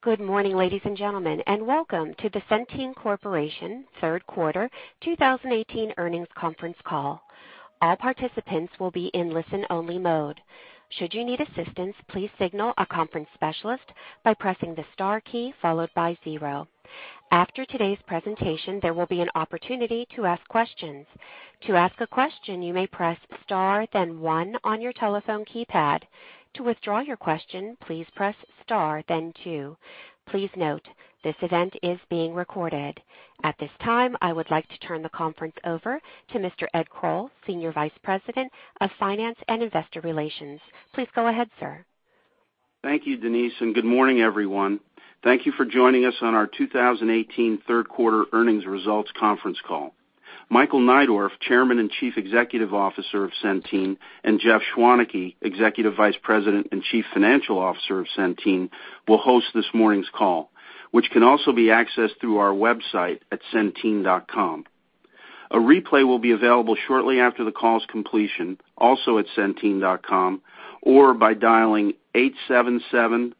Good morning, ladies and gentlemen, and welcome to the Centene Corporation Third Quarter 2018 Earnings Conference Call. All participants will be in listen-only mode. Should you need assistance, please signal a conference specialist by pressing the star key followed by zero. After today's presentation, there will be an opportunity to ask questions. To ask a question, you may press star then one on your telephone keypad. To withdraw your question, please press star then two. Please note, this event is being recorded. At this time, I would like to turn the conference over to Mr. Edmund Kroll, Senior Vice President of Finance and Investor Relations. Please go ahead, sir. Thank you, Denise, and good morning, everyone. Thank you for joining us on our 2018 third quarter earnings results conference call. Michael Neidorff, Chairman and Chief Executive Officer of Centene, and Jeffrey Schwaneke, Executive Vice President and Chief Financial Officer of Centene, will host this morning's call, which can also be accessed through our website at centene.com. A replay will be available shortly after the call's completion, also at centene.com, or by dialing 877-344-7529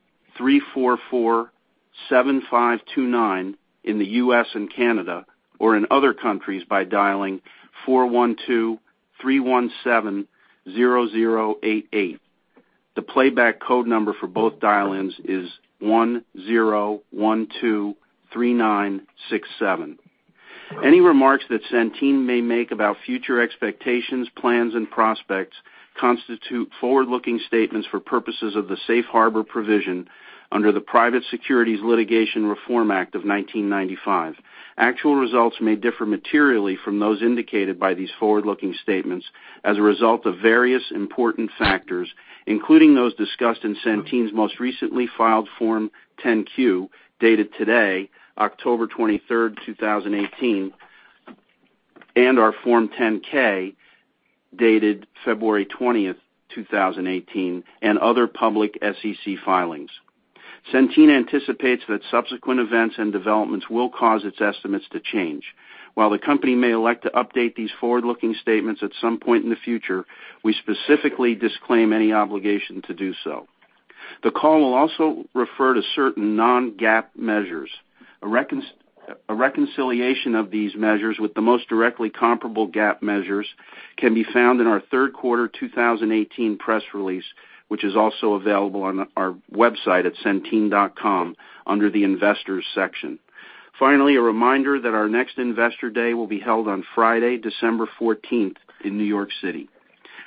in the U.S. and Canada, or in other countries by dialing 412-317-0088. The playback code number for both dial-ins is 10123967. Any remarks that Centene may make about future expectations, plans, and prospects constitute forward-looking statements for purposes of the safe harbor provision under the Private Securities Litigation Reform Act of 1995. Actual results may differ materially from those indicated by these forward-looking statements as a result of various important factors, including those discussed in Centene's most recently filed Form 10-Q, dated today, October 23rd, 2018, and our Form 10-K, dated February 20th, 2018, and other public SEC filings. Centene anticipates that subsequent events and developments will cause its estimates to change. While the company may elect to update these forward-looking statements at some point in the future, we specifically disclaim any obligation to do so. The call will also refer to certain non-GAAP measures. A reconciliation of these measures with the most directly comparable GAAP measures can be found in our third quarter 2018 press release, which is also available on our website at centene.com under the Investors section. Finally, a reminder that our next Investor Day will be held on Friday, December 14th in New York City.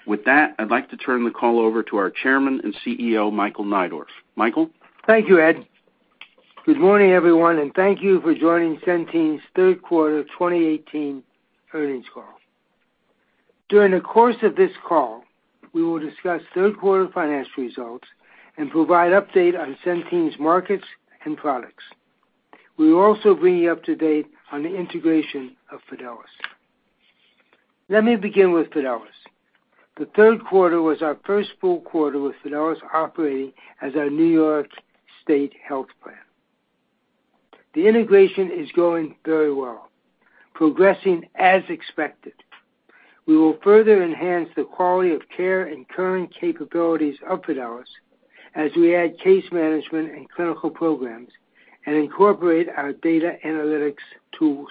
With that, I'd like to turn the call over to our Chairman and CEO, Michael Neidorff. Michael? Thank you, Ed. Good morning, everyone, and thank you for joining Centene's third quarter 2018 earnings call. During the course of this call, we will discuss third quarter financial results and provide update on Centene's markets and products. We will also bring you up to date on the integration of Fidelis. Let me begin with Fidelis. The third quarter was our first full quarter with Fidelis operating as our New York State health plan. The integration is going very well, progressing as expected. We will further enhance the quality of care and current capabilities of Fidelis as we add case management and clinical programs and incorporate our data analytics tools.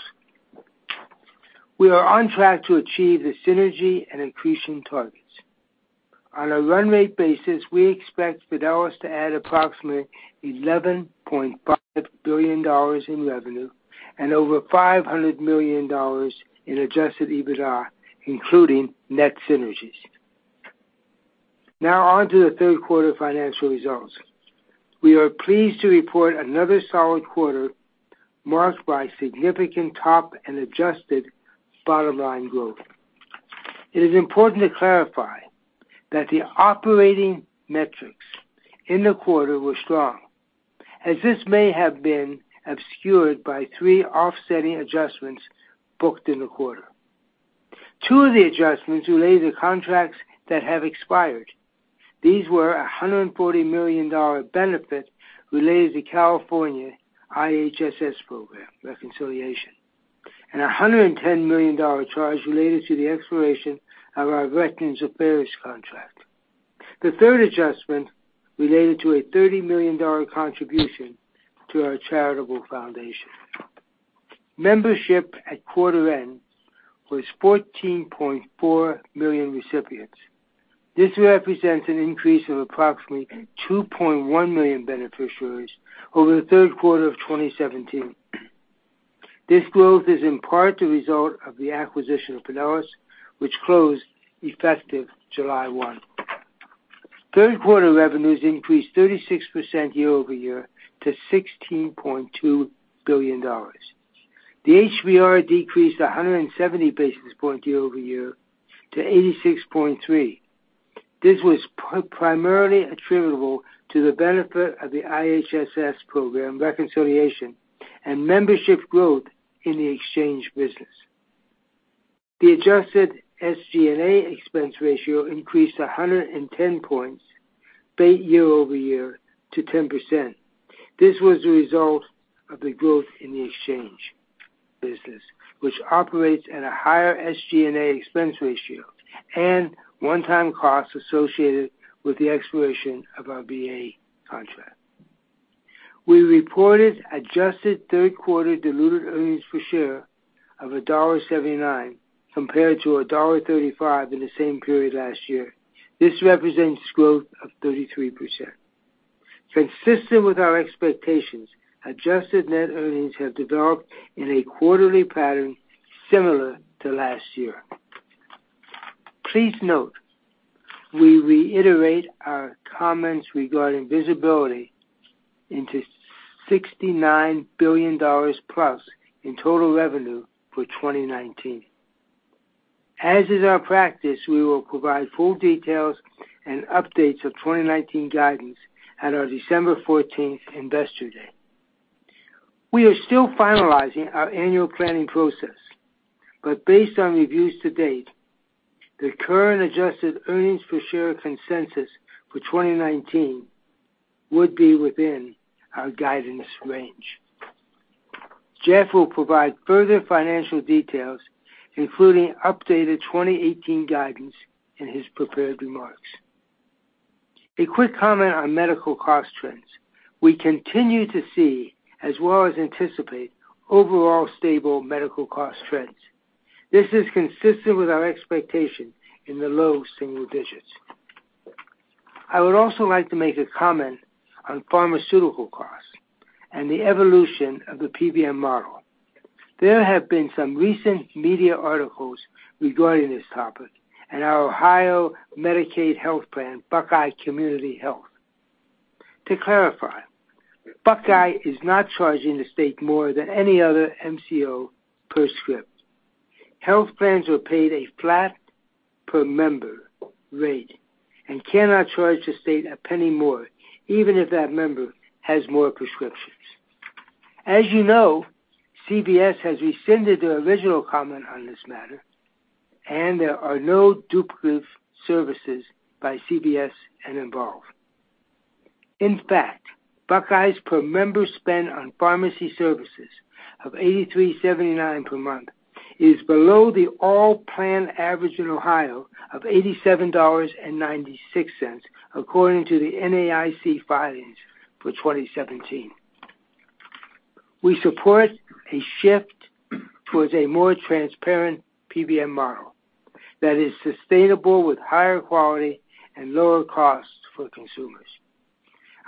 We are on track to achieve the synergy and increasing targets. On a run rate basis, we expect Fidelis to add approximately $11.5 billion in revenue and over $500 million in adjusted EBITDA, including net synergies. Now on to the third quarter financial results. We are pleased to report another solid quarter marked by significant top and adjusted bottom line growth. It is important to clarify that the operating metrics in the quarter were strong, as this may have been obscured by three offsetting adjustments booked in the quarter. Two of the adjustments relate to contracts that have expired. These were $140 million benefit related to California IHSS program reconciliation, and $110 million charge related to the expiration of our Veterans Affairs contract. The third adjustment related to a $30 million contribution to our charitable foundation. Membership at quarter end was 14.4 million recipients. This represents an increase of approximately 2.1 million beneficiaries over the third quarter of 2017. This growth is in part the result of the acquisition of Fidelis, which closed effective July 1. Third quarter revenues increased 36% year-over-year to $16.2 billion. The HBR decreased 170 basis points year-over-year to 86.3%. This was primarily attributable to the benefit of the IHSS program reconciliation and membership growth in the exchange business. The adjusted SG&A expense ratio increased 110 basis points year-over-year to 10%. This was the result of the growth in the exchange business, which operates at a higher SG&A expense ratio and one-time costs associated with the expiration of our VA contract. We reported adjusted third quarter diluted earnings per share of $1.79 compared to $1.35 in the same period last year. This represents growth of 33%. Consistent with our expectations, adjusted net earnings have developed in a quarterly pattern similar to last year. Please note, we reiterate our comments regarding visibility into $69 billion-plus in total revenue for 2019. As is our practice, we will provide full details and updates of 2019 guidance at our December 14th Investor Day. We are still finalizing our annual planning process, but based on reviews to date, the current adjusted earnings per share consensus for 2019 would be within our guidance range. Jeff will provide further financial details, including updated 2018 guidance in his prepared remarks. A quick comment on medical cost trends. We continue to see, as well as anticipate, overall stable medical cost trends. This is consistent with our expectation in the low single digits. I would also like to make a comment on pharmaceutical costs and the evolution of the PBM model. There have been some recent media articles regarding this topic and our Ohio Medicaid health plan, Buckeye Community Health Plan. To clarify, Buckeye is not charging the state more than any other MCO per script. Health plans are paid a flat per member rate and cannot charge the state a penny more, even if that member has more prescriptions. As you know, CVS has rescinded their original comment on this matter, and there are no duplicative services by CVS and Envolve. In fact, Buckeye's per member spend on pharmacy services of $83.79 per month is below the all plan average in Ohio of $87.96, according to the NAIC filings for 2017. We support a shift towards a more transparent PBM model that is sustainable with higher quality and lower costs for consumers.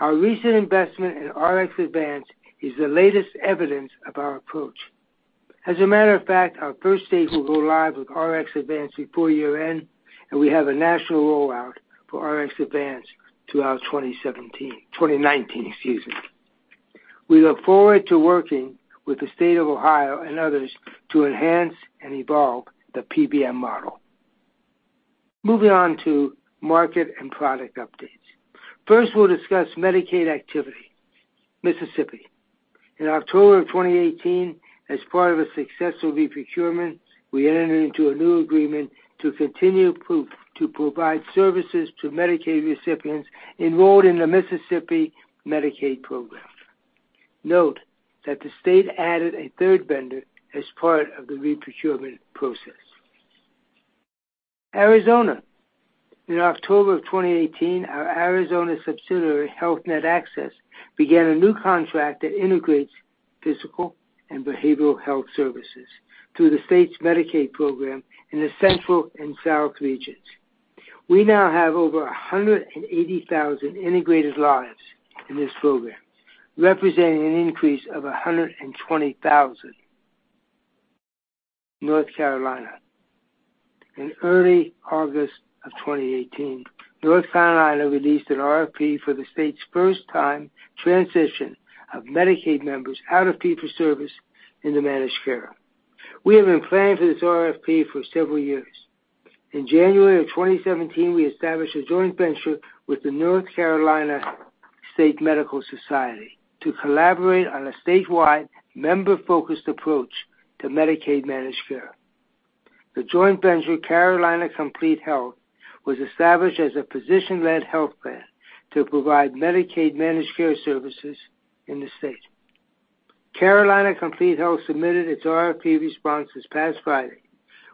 Our recent investment in RxAdvance is the latest evidence of our approach. As a matter of fact, our first state will go live with RxAdvance before year-end, and we have a national rollout for RxAdvance throughout 2017. 2019, excuse me. We look forward to working with the state of Ohio and others to enhance and evolve the PBM model. Moving on to market and product updates. First, we'll discuss Medicaid activity. Mississippi. In October of 2018, as part of a successful reprocurement, we entered into a new agreement to continue to provide services to Medicaid recipients enrolled in the Mississippi Medicaid program. Note that the state added a third vendor as part of the reprocurement process. Arizona. In October of 2018, our Arizona subsidiary, Health Net Access, began a new contract that integrates physical and behavioral health services through the state's Medicaid program in the central and south regions. We now have over 180,000 integrated lives in this program, representing an increase of 120,000. North Carolina. In early August of 2018, North Carolina released an RFP for the state's first-time transition of Medicaid members out of fee-for-service in the managed care. We have been planning for this RFP for several years. In January of 2017, we established a joint venture with the North Carolina State Medical Society to collaborate on a statewide member-focused approach to Medicaid managed care. The joint venture, Carolina Complete Health, was established as a physician-led health plan to provide Medicaid managed care services in the state. Carolina Complete Health submitted its RFP response this past Friday.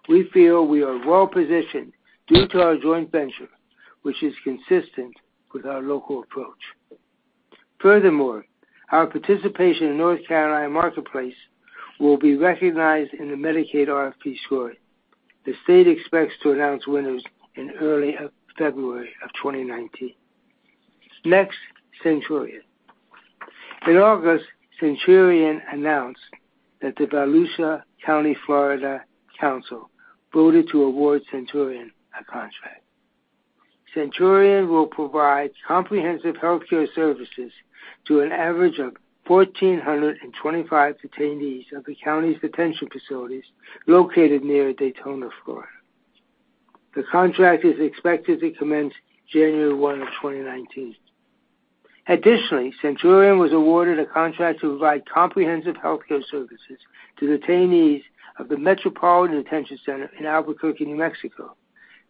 We feel we are well positioned due to our joint venture, which is consistent with our local approach. Furthermore, our participation in North Carolina Marketplace will be recognized in the Medicaid RFP score. The state expects to announce winners in early February of 2019. Next, Centurion. In August, Centurion announced that the Volusia County, Florida, Council voted to award Centurion a contract. Centurion will provide comprehensive healthcare services to an average of 1,425 detainees of the county's detention facilities located near Daytona, Florida. The contract is expected to commence January 1 of 2019. Additionally, Centurion was awarded a contract to provide comprehensive healthcare services to detainees of the Metropolitan Detention Center in Albuquerque, New Mexico.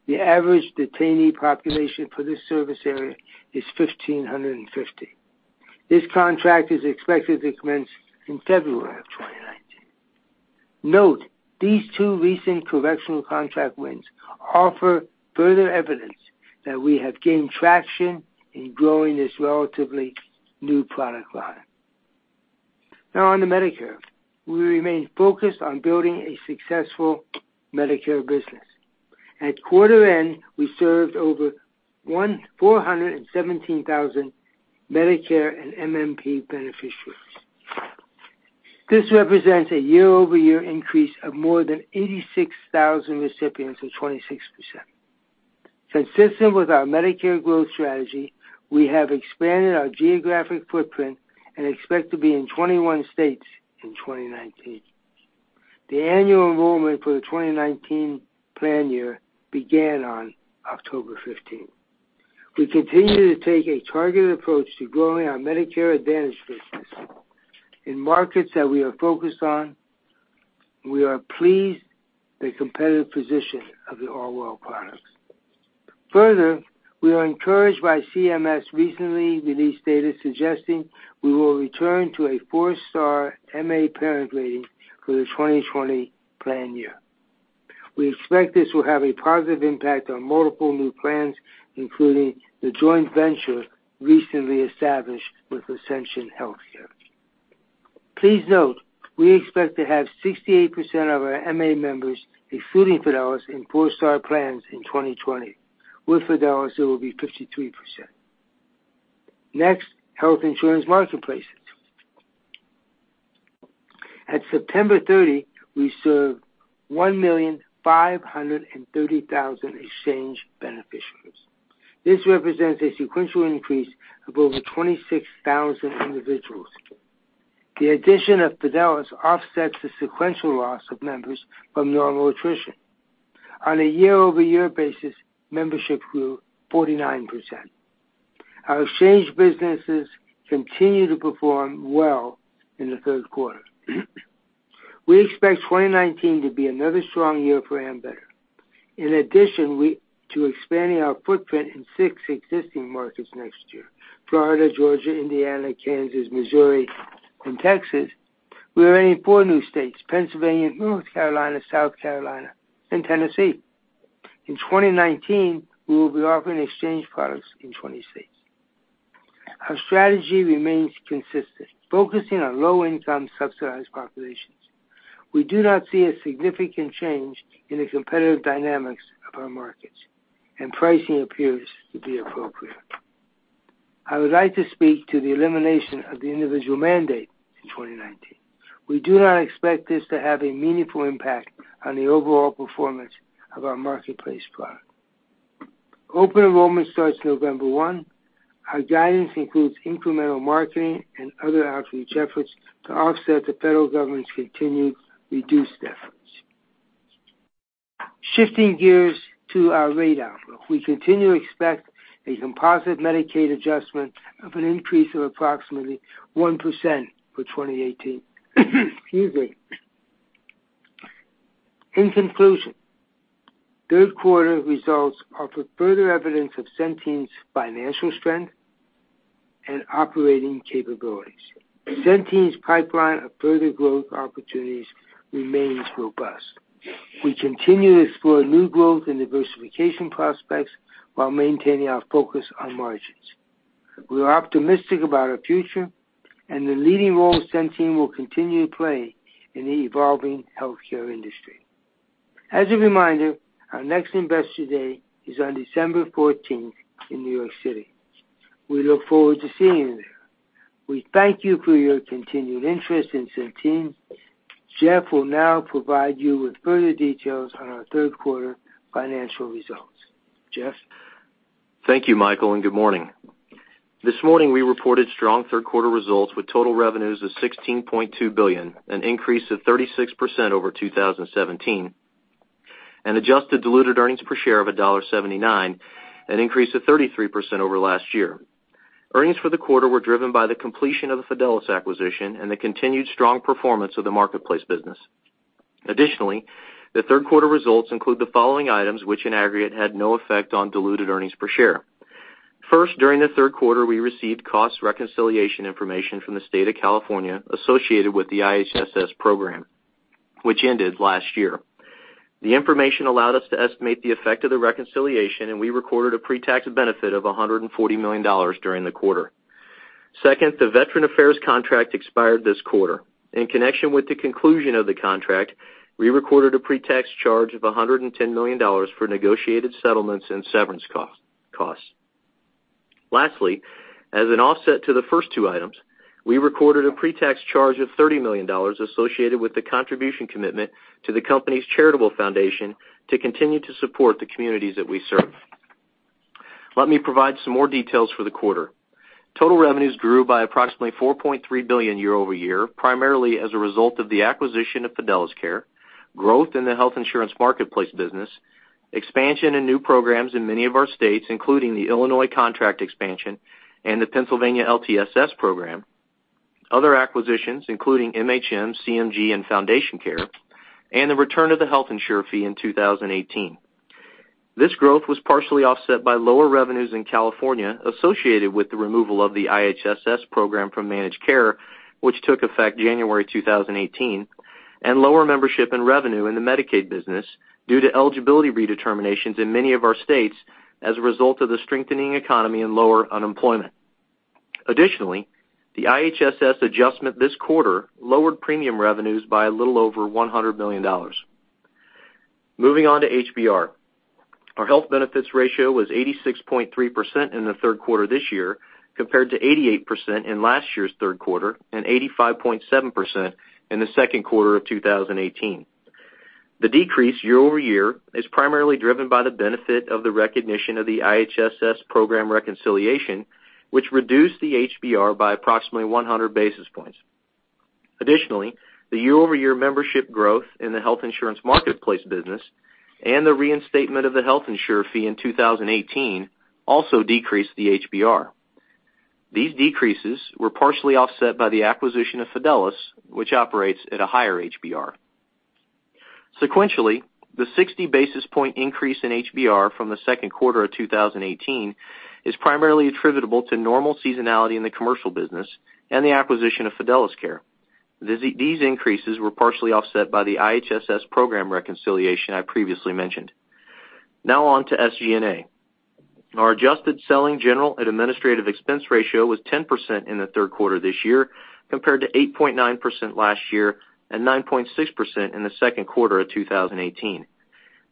The average detainee population for this service area is 1,550. This contract is expected to commence in February of 2019. Note, these two recent correctional contract wins offer further evidence that we have gained traction in growing this relatively new product line. Now on to Medicare. We remain focused on building a successful Medicare business. At quarter end, we served over 417,000 Medicare and MMP beneficiaries. This represents a year-over-year increase of more than 86,000 recipients or 26%. Consistent with our Medicare growth strategy, we have expanded our geographic footprint and expect to be in 21 states in 2019. The annual enrollment for the 2019 plan year began on October 15. We continue to take a targeted approach to growing our Medicare Advantage business. In markets that we are focused on, we are pleased with the competitive position of the Allwell products. Further, we are encouraged by CMS' recently released data suggesting we will return to a four-star MA parent rating for the 2020 plan year. We expect this will have a positive impact on multiple new plans, including the joint venture recently established with Ascension Healthcare. Please note, we expect to have 68% of our MA members, excluding Fidelis, in four-star plans in 2020. With Fidelis, it will be 53%. Next, health insurance marketplaces. At September 30, we served 1,530,000 exchange beneficiaries. This represents a sequential increase of over 26,000 individuals. The addition of Fidelis offsets the sequential loss of members from normal attrition. On a year-over-year basis, membership grew 49%. Our exchange businesses continue to perform well in the third quarter. We expect 2019 to be another strong year for Ambetter. In addition to expanding our footprint in six existing markets next year, Florida, Georgia, Indiana, Kansas, Missouri, and Texas, we are entering four new states, Pennsylvania, North Carolina, South Carolina, and Tennessee. In 2019, we will be offering exchange products in 20 states. Our strategy remains consistent, focusing on low-income subsidized populations. We do not see a significant change in the competitive dynamics of our markets, and pricing appears to be appropriate. I would like to speak to the elimination of the individual mandate in 2019. We do not expect this to have a meaningful impact on the overall performance of our marketplace product. Open enrollment starts November 1. Our guidance includes incremental marketing and other outreach efforts to offset the federal government's continued reduced efforts. Shifting gears to our rate outlook. We continue to expect a composite Medicaid adjustment of an increase of approximately 1% for 2018. Excuse me. In conclusion, third quarter results offer further evidence of Centene's financial strength and operating capabilities. Centene's pipeline of further growth opportunities remains robust. We continue to explore new growth and diversification prospects while maintaining our focus on margins. We are optimistic about our future and the leading role Centene will continue to play in the evolving healthcare industry. As a reminder, our next Investor Day is on December 14th in New York City. We look forward to seeing you there. We thank you for your continued interest in Centene. Jeff will now provide you with further details on our third quarter financial results. Jeff? Thank you, Michael, and good morning. This morning, we reported strong third quarter results with total revenues of $16.2 billion, an increase of 36% over 2017, and adjusted diluted earnings per share of $1.79, an increase of 33% over last year. Earnings for the quarter were driven by the completion of the Fidelis acquisition and the continued strong performance of the marketplace business. Additionally, the third quarter results include the following items, which in aggregate had no effect on diluted earnings per share. First, during the third quarter, we received cost reconciliation information from the state of California associated with the IHSS program, which ended last year. The information allowed us to estimate the effect of the reconciliation, and we recorded a pre-tax benefit of $140 million during the quarter. Second, the Veterans Affairs contract expired this quarter. In connection with the conclusion of the contract, we recorded a pre-tax charge of $110 million for negotiated settlements and severance costs. Lastly, as an offset to the first two items, we recorded a pre-tax charge of $30 million associated with the contribution commitment to the company's charitable foundation to continue to support the communities that we serve. Let me provide some more details for the quarter. Total revenues grew by approximately $4.3 billion year-over-year, primarily as a result of the acquisition of Fidelis Care, growth in the health insurance marketplace business, expansion in new programs in many of our states, including the Illinois contract expansion and the Pennsylvania LTSS program. Other acquisitions, including MHN, CMG, and Foundation Care, and the return of the Health Insurer Fee in 2018. This growth was partially offset by lower revenues in California associated with the removal of the IHSS program from managed care, which took effect January 2018, and lower membership and revenue in the Medicaid business due to eligibility redeterminations in many of our states as a result of the strengthening economy and lower unemployment. Additionally, the IHSS adjustment this quarter lowered premium revenues by a little over $100 million. Moving on to HBR. Our Health Benefits Ratio was 86.3% in the third quarter of this year, compared to 88% in last year's third quarter and 85.7% in the second quarter of 2018. The decrease year-over-year is primarily driven by the benefit of the recognition of the IHSS program reconciliation, which reduced the HBR by approximately 100 basis points. Additionally, the year-over-year membership growth in the health insurance marketplace business and the reinstatement of the Health Insurer Fee in 2018 also decreased the HBR. These decreases were partially offset by the acquisition of Fidelis, which operates at a higher HBR. Sequentially, the 60 basis point increase in HBR from the second quarter of 2018 is primarily attributable to normal seasonality in the commercial business and the acquisition of Fidelis Care. These increases were partially offset by the IHSS program reconciliation I previously mentioned. Now on to SG&A. Our adjusted selling, general, and administrative expense ratio was 10% in the third quarter of this year, compared to 8.9% last year and 9.6% in the second quarter of 2018.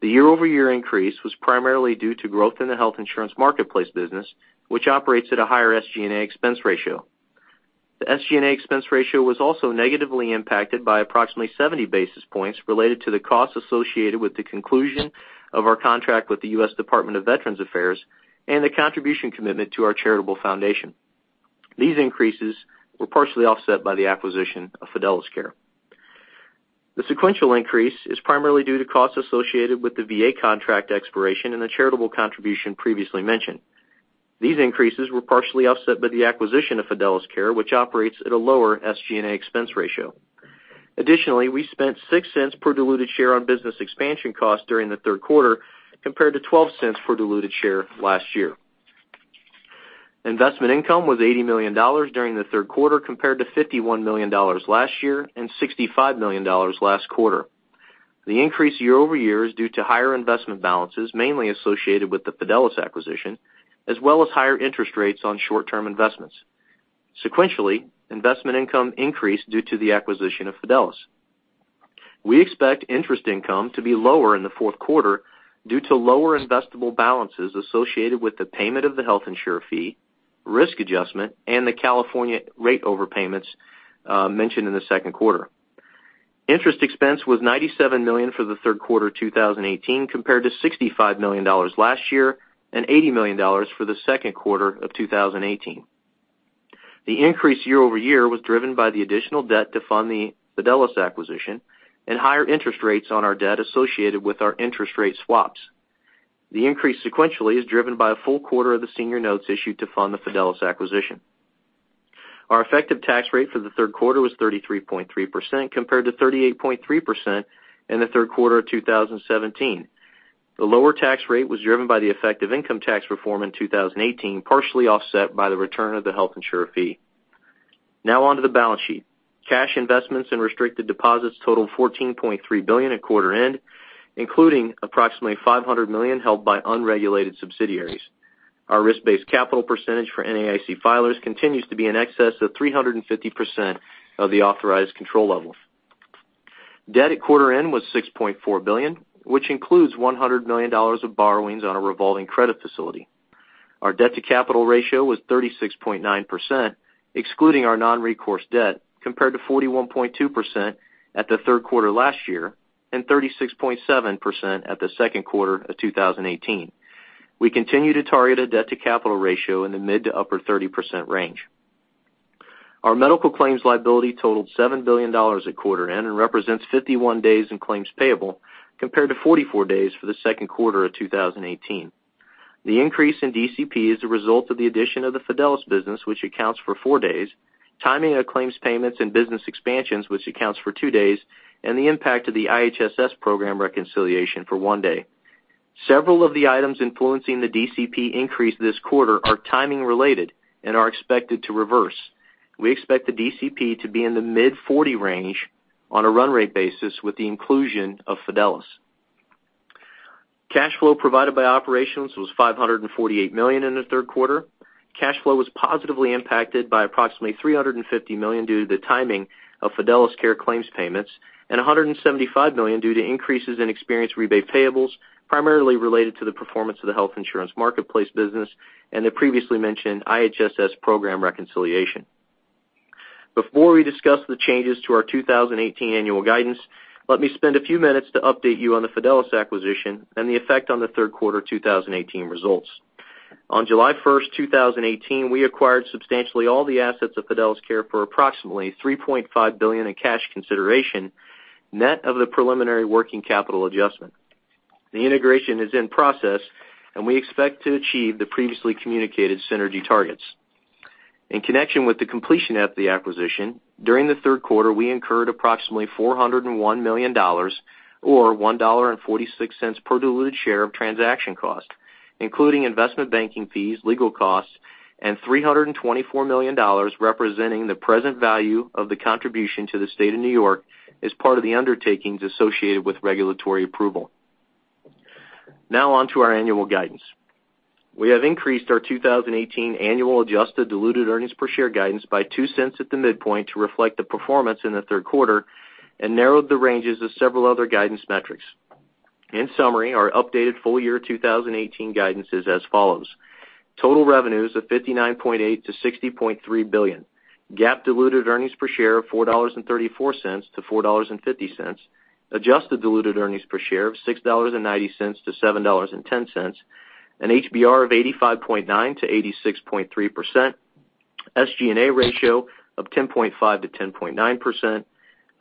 The year-over-year increase was primarily due to growth in the health insurance marketplace business, which operates at a higher SG&A expense ratio. The SG&A expense ratio was also negatively impacted by approximately 70 basis points related to the costs associated with the conclusion of our contract with the U.S. Department of Veterans Affairs and the contribution commitment to our charitable foundation. These increases were partially offset by the acquisition of Fidelis Care. The sequential increase is primarily due to costs associated with the VA contract expiration and the charitable contribution previously mentioned. These increases were partially offset by the acquisition of Fidelis Care, which operates at a lower SG&A expense ratio. Additionally, we spent $0.06 per diluted share on business expansion costs during the third quarter, compared to $0.12 per diluted share last year. Investment income was $80 million during the third quarter, compared to $51 million last year and $65 million last quarter. The increase year-over-year is due to higher investment balances, mainly associated with the Fidelis acquisition, as well as higher interest rates on short-term investments. Sequentially, investment income increased due to the acquisition of Fidelis. We expect interest income to be lower in the fourth quarter due to lower investable balances associated with the payment of the Health Insurer Fee, Risk Adjustment, and the California rate overpayments mentioned in the second quarter. Interest expense was $97 million for the third quarter 2018, compared to $65 million last year and $80 million for the second quarter of 2018. The increase year-over-year was driven by the additional debt to fund the Fidelis acquisition and higher interest rates on our debt associated with our interest rate swaps. The increase sequentially is driven by a full quarter of the senior notes issued to fund the Fidelis acquisition. Our effective tax rate for the third quarter was 33.3%, compared to 38.3% in the third quarter of 2017. The lower tax rate was driven by the effective income tax reform in 2018, partially offset by the return of the Health Insurer Fee. Now on to the balance sheet. Cash investments and restricted deposits totaled $14.3 billion at quarter end, including approximately $500 million held by unregulated subsidiaries. Our risk-based capital percentage for NAIC filers continues to be in excess of 350% of the authorized control levels. Debt at quarter end was $6.4 billion, which includes $100 million of borrowings on a revolving credit facility. Our debt-to-capital ratio was 36.9%, excluding our non-recourse debt, compared to 41.2% at the third quarter last year and 36.7% at the second quarter of 2018. We continue to target a debt-to-capital ratio in the mid to upper 30% range. Our medical claims liability totaled $7 billion at quarter end and represents 51 days in claims payable, compared to 44 days for the second quarter of 2018. The increase in DCP is a result of the addition of the Fidelis business, which accounts for four days, timing of claims payments and business expansions, which accounts for two days, and the impact of the IHSS program reconciliation for one day. Several of the items influencing the DCP increase this quarter are timing related and are expected to reverse. We expect the DCP to be in the mid-40 range on a run rate basis with the inclusion of Fidelis. Cash flow provided by operations was $548 million in the third quarter. Cash flow was positively impacted by approximately $350 million due to the timing of Fidelis Care claims payments and $175 million due to increases in experience rebate payables, primarily related to the performance of the Health Insurance Marketplace business and the previously mentioned IHSS program reconciliation. Before we discuss the changes to our 2018 annual guidance, let me spend a few minutes to update you on the Fidelis acquisition and the effect on the third quarter 2018 results. On July 1st, 2018, we acquired substantially all the assets of Fidelis Care for approximately $3.5 billion in cash consideration, net of the preliminary working capital adjustment. The integration is in process, we expect to achieve the previously communicated synergy targets. In connection with the completion of the acquisition, during the third quarter, we incurred approximately $401 million, or $1.46 per diluted share of transaction cost, including investment banking fees, legal costs, and $324 million representing the present value of the contribution to the state of New York as part of the undertakings associated with regulatory approval. On to our annual guidance. We have increased our 2018 annual adjusted diluted earnings per share guidance by $0.02 at the midpoint to reflect the performance in the third quarter, narrowed the ranges of several other guidance metrics. In summary, our updated full-year 2018 guidance is as follows. Total revenues of $59.8 billion-$60.3 billion, GAAP diluted earnings per share of $4.34-$4.50, adjusted diluted earnings per share of $6.90-$7.10, an HBR of 85.9%-86.3%, SG&A ratio of 10.5%-10.9%,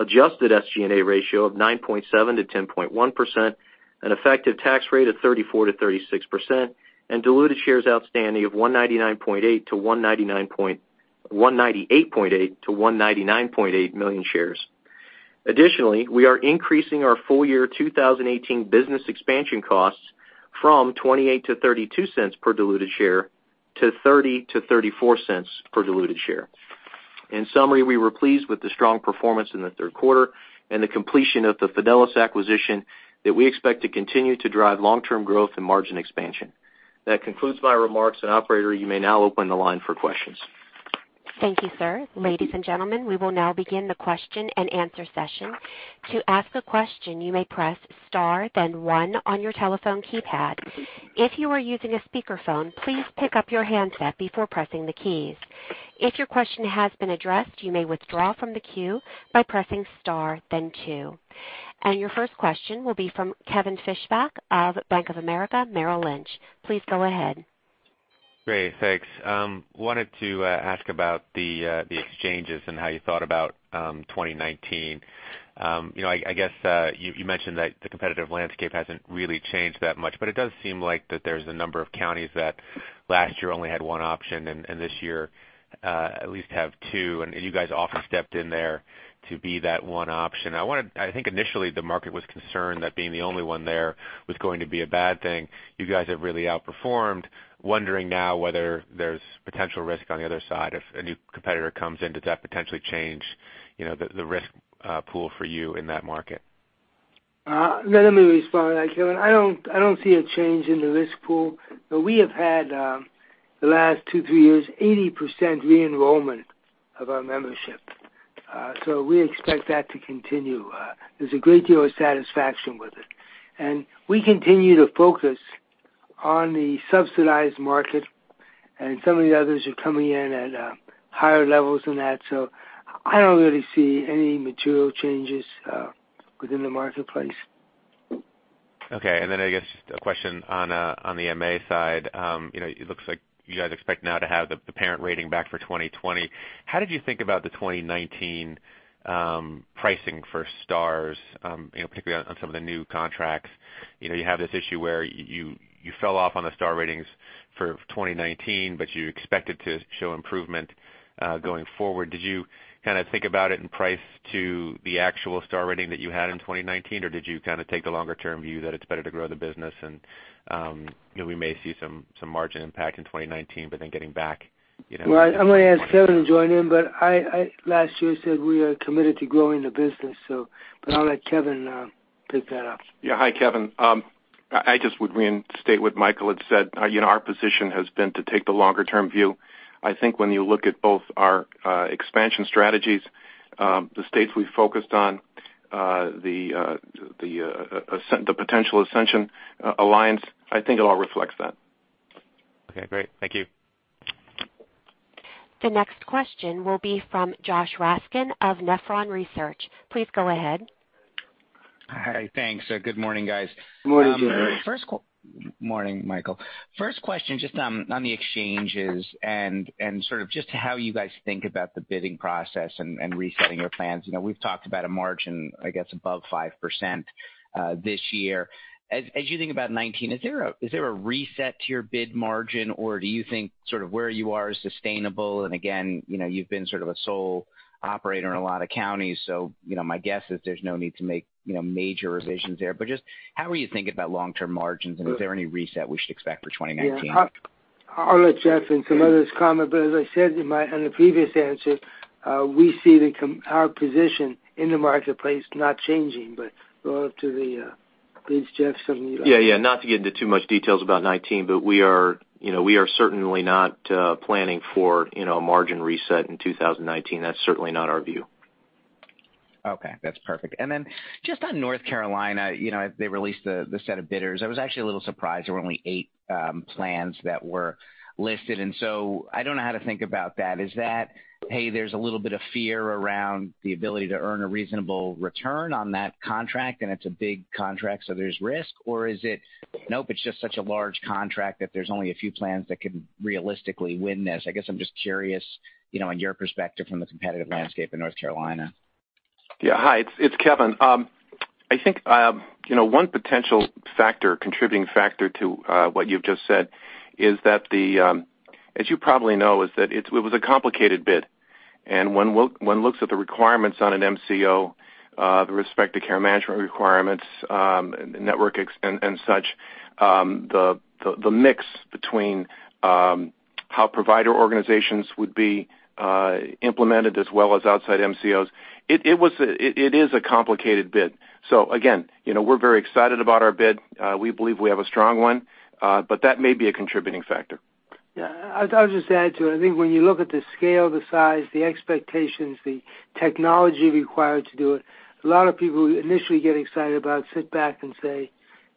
adjusted SG&A ratio of 9.7%-10.1%, an effective tax rate of 34%-36%, diluted shares outstanding of 198.8 million-199.8 million shares. Additionally, we are increasing our full-year 2018 business expansion costs from $0.28-$0.32 per diluted share to $0.30-$0.34 per diluted share. In summary, we were pleased with the strong performance in the third quarter and the completion of the Fidelis acquisition that we expect to continue to drive long-term growth and margin expansion. That concludes my remarks, operator, you may now open the line for questions. Thank you, sir. Ladies and gentlemen, we will now begin the question and answer session. To ask a question, you may press star then one on your telephone keypad. If you are using a speakerphone, please pick up your handset before pressing the keys. If your question has been addressed, you may withdraw from the queue by pressing star then two. Your first question will be from Kevin Fischbeck of Bank of America Merrill Lynch. Please go ahead. Great. Thanks. Wanted to ask about the exchanges and how you thought about 2019. I guess you mentioned that the competitive landscape hasn't really changed that much, but it does seem like that there's a number of counties that last year only had one option and this year at least have two, and you guys often stepped in there to be that one option. I think initially the market was concerned that being the only one there was going to be a bad thing. You guys have really outperformed. Wondering now whether there's potential risk on the other side if a new competitor comes in. Does that potentially change the risk pool for you in that market? Let me respond to that, Kevin. I don't see a change in the risk pool, but we have had, the last two, three years, 80% re-enrollment of our membership. We expect that to continue. There's a great deal of satisfaction with it. We continue to focus on the subsidized market, and some of the others are coming in at higher levels than that. I don't really see any material changes within the marketplace. Okay, I guess just a question on the MA side. It looks like you guys expect now to have the parent rating back for 2020. How did you think about the 2019 pricing for stars, particularly on some of the new contracts? You have this issue where you fell off on the star ratings for 2019, but you expected to show improvement going forward. Did you kind of think about it in price to the actual star rating that you had in 2019? Did you kind of take the longer-term view that it's better to grow the business and we may see some margin impact in 2019, but then getting back- Well, I'm going to ask Kevin to join in, but I, last year, said we are committed to growing the business. I'll let Kevin pick that up. Yeah. Hi, Kevin. I just would reinstate what Michael had said. Our position has been to take the longer-term view. I think when you look at both our expansion strategies, the states we focused on, the potential Ascension alliance, I think it all reflects that. Okay, great. Thank you. The next question will be from Josh Raskin of Nephron Research. Please go ahead. Hi. Thanks. Good morning, guys. Morning to you. Morning, Michael. First question, just on the exchanges and sort of just how you guys think about the bidding process and resetting your plans. We've talked about a margin, I guess, above 5% this year. As you think about 2019, is there a reset to your bid margin, or do you think sort of where you are is sustainable? Again, you've been sort of a sole operator in a lot of counties, so my guess is there's no need to make major revisions there. Just how are you thinking about long-term margins, and is there any reset we should expect for 2019? Yeah. I'll let Jeff and some others comment, as I said in the previous answer, we see our position in the marketplace not changing. Go up to the-- please, Jeff, something you'd like to- Yeah. Not to get into too much details about 2019, we are certainly not planning for a margin reset in 2019. That's certainly not our view. Okay, that's perfect. Just on North Carolina, they released the set of bidders. I was actually a little surprised there were only eight plans that were listed. I don't know how to think about that. Is that, hey, there's a little bit of fear around the ability to earn a reasonable return on that contract, and it's a big contract, so there's risk? Is it, nope, it's just such a large contract that there's only a few plans that can realistically win this? I guess I'm just curious on your perspective from the competitive landscape in North Carolina. Yeah. Hi, it's Kevin. I think one potential contributing factor to what you've just said is that, as you probably know, it was a complicated bid. When one looks at the requirements on an MCO, the respective care management requirements, network and such, the mix between how provider organizations would be implemented as well as outside MCOs, it is a complicated bid. Again, we're very excited about our bid. We believe we have a strong one. That may be a contributing factor. Yeah. I'll just add to it. I think when you look at the scale, the size, the expectations, the technology required to do it, a lot of people initially get excited about it, sit back, and say,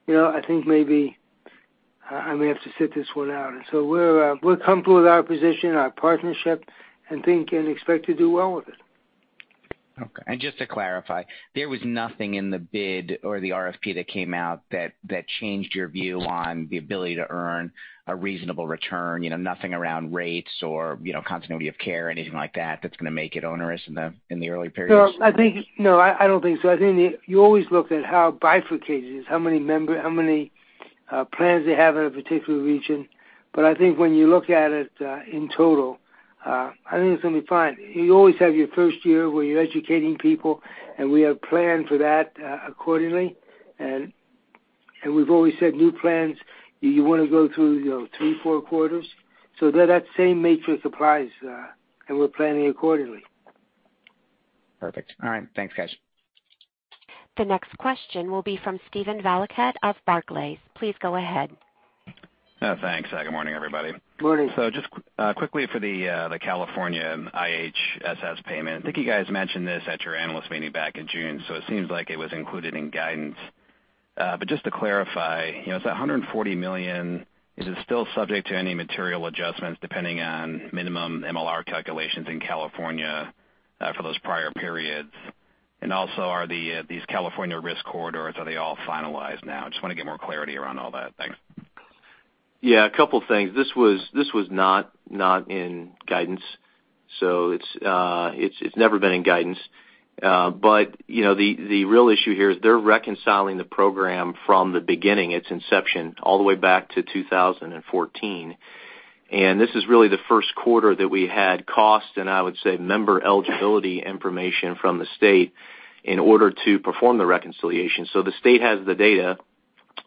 "I think maybe I may have to sit this one out." We're comfortable with our position, our partnership, and think and expect to do well with it. Okay. Just to clarify, there was nothing in the bid or the RFP that came out that changed your view on the ability to earn a reasonable return, nothing around rates or continuity of care, anything like that's going to make it onerous in the early periods? No, I don't think so. I think you always look at how bifurcated it is, how many plans they have in a particular region. I think when you look at it in total, I think it's going to be fine. You always have your first year where you're educating people, and we have planned for that accordingly. We've always said new plans, you want to go through three, four quarters. They're that same matrix applies, and we're planning accordingly. Perfect. All right. Thanks, guys. The next question will be from Steven Valiquette of Barclays. Please go ahead. Thanks. Good morning, everybody. Good morning. Just quickly for the California IHSS payment, I think you guys mentioned this at your analyst meeting back in June. It seems like it was included in guidance. Just to clarify, $140 million, is it still subject to any material adjustments depending on minimum MLR calculations in California for those prior periods? Also, are these California risk corridors, are they all finalized now? Just want to get more clarity around all that. Thanks. Yeah, a couple of things. This was not in guidance. It's never been in guidance. The real issue here is they're reconciling the program from the beginning, its inception, all the way back to 2014. This is really the first quarter that we had costs, and I would say member eligibility information from the state in order to perform the reconciliation. The state has the data,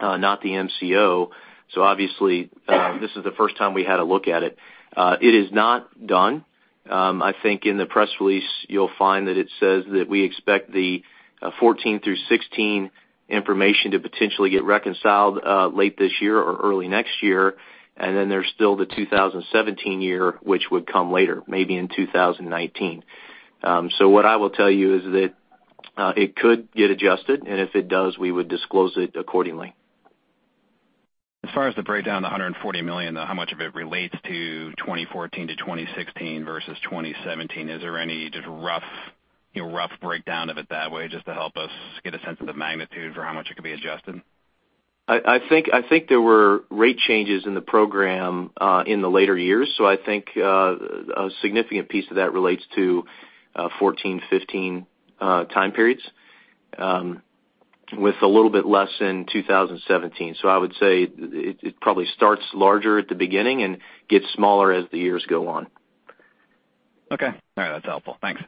not the MCO. Obviously, this is the first time we had a look at it. It is not done. I think in the press release, you'll find that it says that we expect the 2014 through 2016 information to potentially get reconciled late this year or early next year. Then there's still the 2017 year, which would come later, maybe in 2019. What I will tell you is that it could get adjusted, and if it does, we would disclose it accordingly. As far as the breakdown of the $140 million, how much of it relates to 2014 to 2016 versus 2017? Is there any just rough breakdown of it that way, just to help us get a sense of the magnitude for how much it could be adjusted? I think there were rate changes in the program in the later years. I think a significant piece of that relates to 2014, 2015 time periods, with a little bit less in 2017. I would say it probably starts larger at the beginning and gets smaller as the years go on. Okay. All right. That's helpful. Thanks.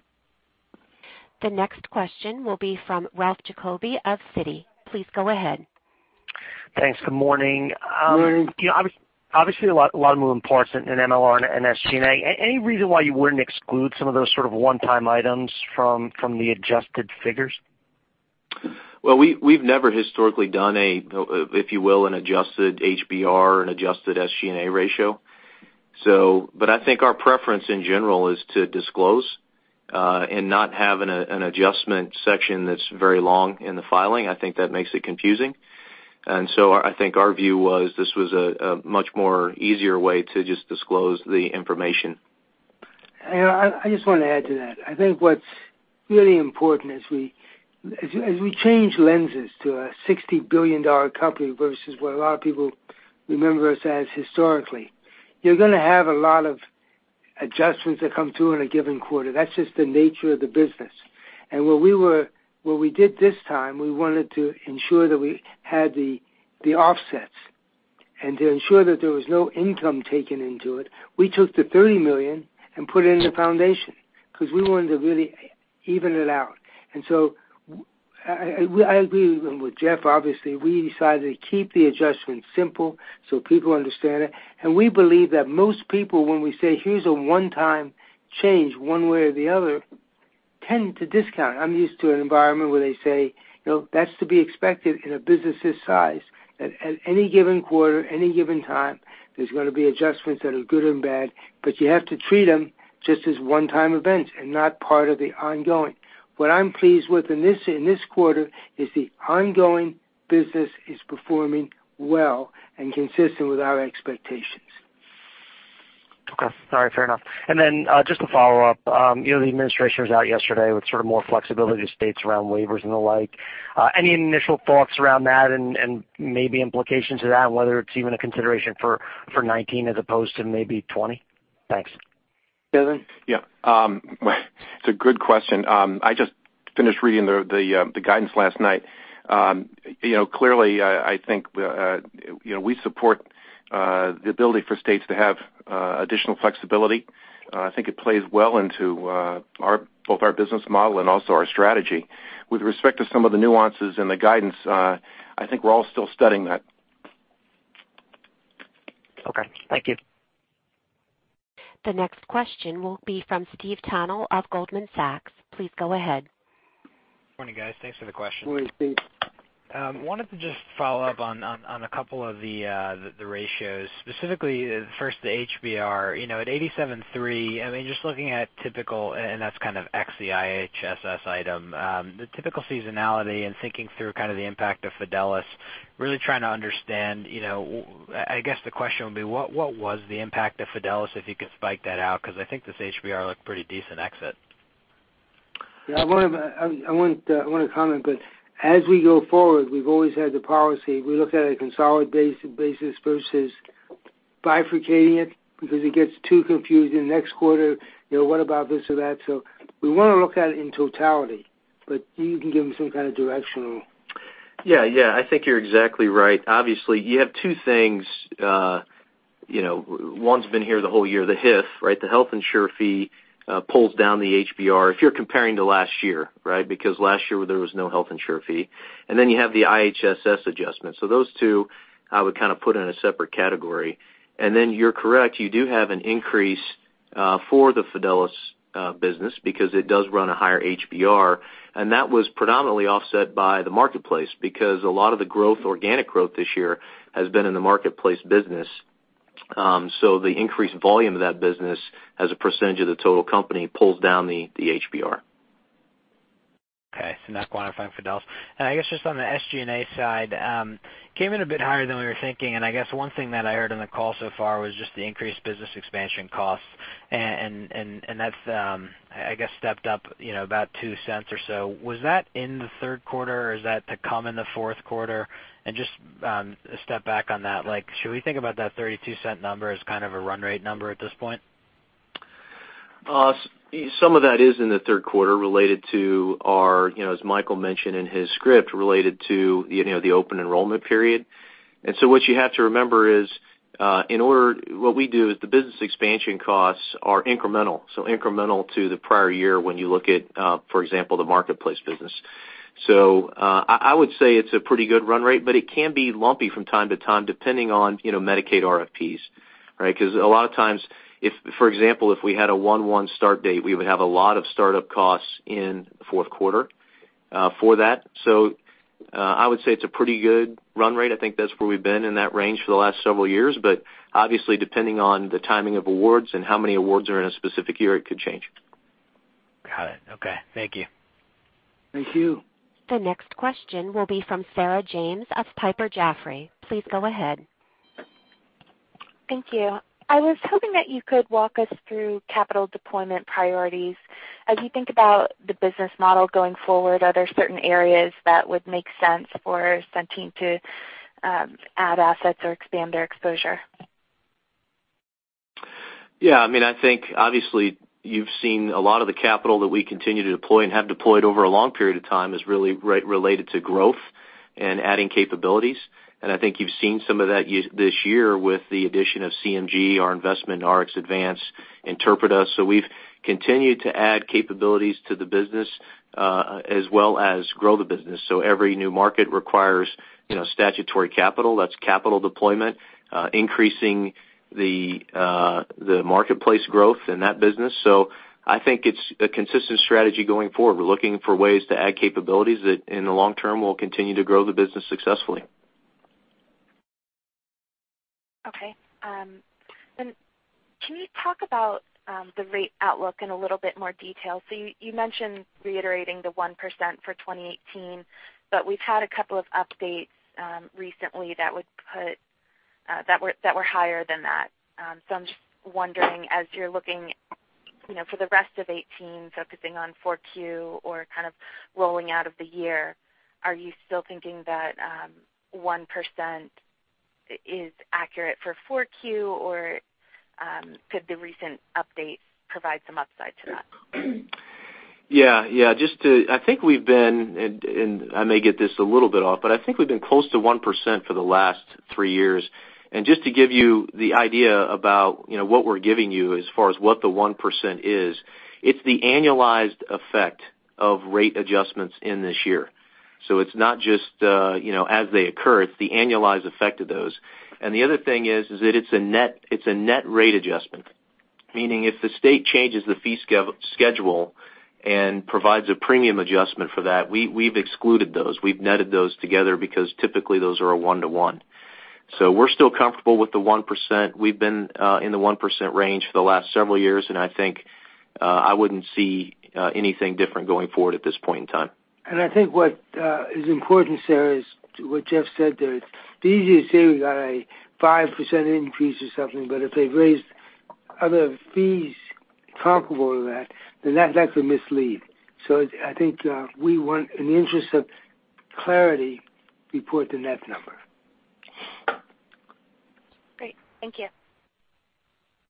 The next question will be from Ralph Giacobbe of Citi. Please go ahead. Thanks. Good morning. Morning. Obviously, a lot more important in MLR and SG&A. Any reason why you wouldn't exclude some of those sort of one-time items from the adjusted figures? Well, we've never historically done a, if you will, an adjusted HBR, an adjusted SG&A ratio. I think our preference in general is to disclose, and not have an adjustment section that's very long in the filing. I think that makes it confusing. So I think our view was this was a much more easier way to just disclose the information. I just want to add to that. I think what's really important as we change lenses to a $60 billion company versus what a lot of people remember us as historically, you're going to have a lot of adjustments that come through in a given quarter. That's just the nature of the business. What we did this time, we wanted to ensure that we had the offsets. To ensure that there was no income taken into it, we took the $30 million and put it in the foundation because we wanted to really even it out. So I agree with Jeff, obviously. We decided to keep the adjustment simple so people understand it. We believe that most people, when we say, "Here's a one-time change, one way or the other," tend to discount it. I'm used to an environment where they say, "That's to be expected in a business this size." At any given quarter, any given time, there's going to be adjustments that are good and bad, but you have to treat them just as one-time events and not part of the ongoing. What I'm pleased with in this quarter is the ongoing business is performing well and consistent with our expectations. Okay. All right. Fair enough. Then just to follow up, the administration was out yesterday with sort of more flexibility to states around waivers and the like. Any initial thoughts around that and maybe implications of that, and whether it's even a consideration for 2019 as opposed to maybe 2020? Thanks. David? Yeah. It's a good question. I just finished reading the guidance last night. Clearly, I think we support the ability for states to have additional flexibility. I think it plays well into both our business model and also our strategy. With respect to some of the nuances and the guidance, I think we're all still studying that. Okay. Thank you. The next question will be from Stephen Tanal of Goldman Sachs. Please go ahead. Morning, guys. Thanks for the question. Morning, Steve. Wanted to just follow up on a couple of the ratios. Specifically, first, the HBR. At 873, just looking at typical, and that's kind of ex the IHSS item. The typical seasonality and thinking through kind of the impact of Fidelis, really trying to understand, I guess the question would be, what was the impact of Fidelis, if you could spike that out? I think this HBR looked pretty decent exit. I want to comment that as we go forward, we've always had the policy. We look at it on a consolidated basis versus bifurcating it because it gets too confusing. Next quarter, what about this or that? We want to look at it in totality, but you can give him some kind of directional. I think you're exactly right. Obviously, you have two things. One's been here the whole year, the HIF, right? The Health Insurer Fee, pulls down the HBR. If you're comparing to last year, right? Because last year there was no Health Insurer Fee. Then you have the IHSS adjustment. Those two I would kind of put in a separate category. Then you're correct, you do have an increase for the Fidelis business because it does run a higher HBR, and that was predominantly offset by the marketplace because a lot of the organic growth this year has been in the marketplace business. The increased volume of that business as a percentage of the total company pulls down the HBR. Not quantifying Fidelis. I guess just on the SG&A side, came in a bit higher than we were thinking, and I guess one thing that I heard on the call so far was just the increased business expansion costs, and that's, I guess, stepped up about $0.02 or so. Was that in the third quarter or is that to come in the fourth quarter? Just a step back on that, should we think about that $0.32 number as kind of a run rate number at this point? Some of that is in the third quarter, as Michael mentioned in his script, related to the open enrollment period. What you have to remember is, what we do is the business expansion costs are incremental to the prior year when you look at, for example, the marketplace business. I would say it's a pretty good run rate, but it can be lumpy from time to time, depending on Medicaid RFPs, right? Because a lot of times, for example, if we had a 1/1 start date, we would have a lot of startup costs in the fourth quarter for that. I would say it's a pretty good run rate. I think that's where we've been in that range for the last several years, but obviously depending on the timing of awards and how many awards are in a specific year, it could change. Got it. Okay. Thank you. Thank you. The next question will be from Sarah James of Piper Jaffray. Please go ahead. Thank you. I was hoping that you could walk us through capital deployment priorities. As you think about the business model going forward, are there certain areas that would make sense for Centene to add assets or expand their exposure? Yeah. I think obviously you've seen a lot of the capital that we continue to deploy and have deployed over a long period of time is really related to growth and adding capabilities, and I think you've seen some of that this year with the addition of Community Medical Group, our investment in RxAdvance, Interpreta. We've continued to add capabilities to the business, as well as grow the business. Every new market requires statutory capital. That's capital deployment, increasing the marketplace growth in that business. I think it's a consistent strategy going forward. We're looking for ways to add capabilities that in the long term will continue to grow the business successfully. Okay. Can you talk about the rate outlook in a little bit more detail? You mentioned reiterating the 1% for 2018, but we've had a couple of updates recently that were higher than that. I'm just wondering, as you're looking for the rest of 2018, focusing on 4Q or kind of rolling out of the year, are you still thinking that 1% is accurate for 4Q, or could the recent update provide some upside to that? Yeah. I think we've been, and I may get this a little bit off, but I think we've been close to 1% for the last three years. Just to give you the idea about what we're giving you as far as what the 1% is, it's the annualized effect of rate adjustments in this year. It's not just as they occur. It's the annualized effect of those. The other thing is that it's a net rate adjustment, meaning if the state changes the fee schedule and provides a premium adjustment for that, we've excluded those. We've netted those together because typically those are a one-to-one. We're still comfortable with the 1%. We've been in the 1% range for the last several years, and I think I wouldn't see anything different going forward at this point in time. I think what is important, Sarah, is to what Jeff said there. It's easy to say we got a 5% increase or something, but if they've raised other fees comparable to that, then that could mislead. I think we want, in the interest of clarity, report the net number. Great. Thank you.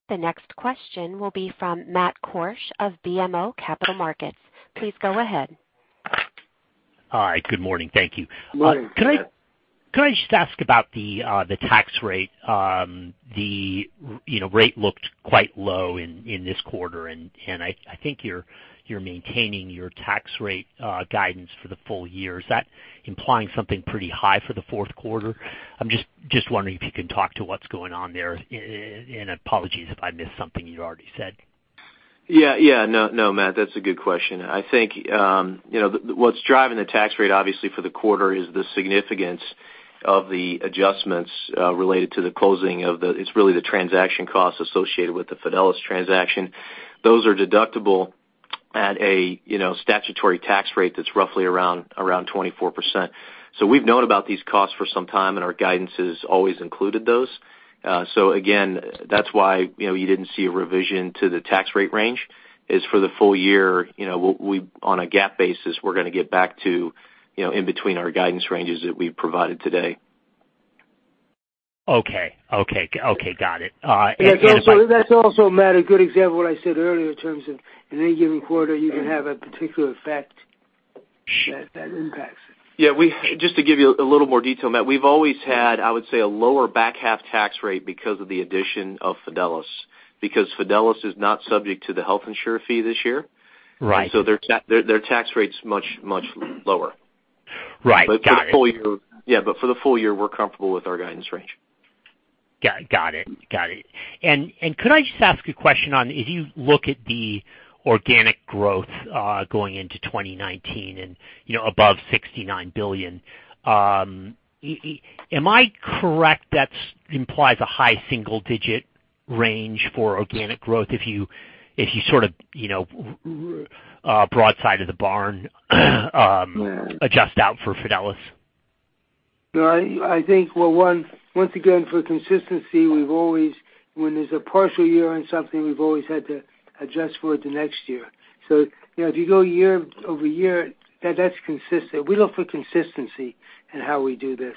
The next question will be from Matt Borsch of BMO Capital Markets. Please go ahead. Hi. Good morning. Thank you. Morning. Could I just ask about the tax rate? The rate looked quite low in this quarter, and I think you're maintaining your tax rate guidance for the full year. Is that implying something pretty high for the fourth quarter? I'm just wondering if you can talk to what's going on there, and apologies if I missed something you already said. Yeah. No, Matt, that's a good question. I think what's driving the tax rate, obviously, for the quarter is the significance of the adjustments related to the transaction costs associated with the Fidelis transaction. Those are deductible at a statutory tax rate that's roughly around 24%. We've known about these costs for some time, and our guidance has always included those. Again, that's why you didn't see a revision to the tax rate range. Is for the full year, on a GAAP basis, we're going to get back to in between our guidance ranges that we've provided today. Okay. Got it. That's also, Matt, a good example of what I said earlier in terms of, in any given quarter, you can have a particular effect that impacts it. Yeah. Just to give you a little more detail, Matt, we've always had, I would say, a lower back half tax rate because of the addition of Fidelis, because Fidelis is not subject to the Health Insurer Fee this year. Right. Their tax rate's much lower. Right. Got it. For the full year, we're comfortable with our guidance range. Got it. Could I just ask a question on, if you look at the organic growth going into 2019 and above $69 billion, am I correct, that implies a high single-digit range for organic growth if you broad side of the barn adjust out for Fidelis? No, I think, well, once again, for consistency, when there's a partial year on something, we've always had to adjust for the next year. If you go year-over-year, that's consistent. We look for consistency in how we do this.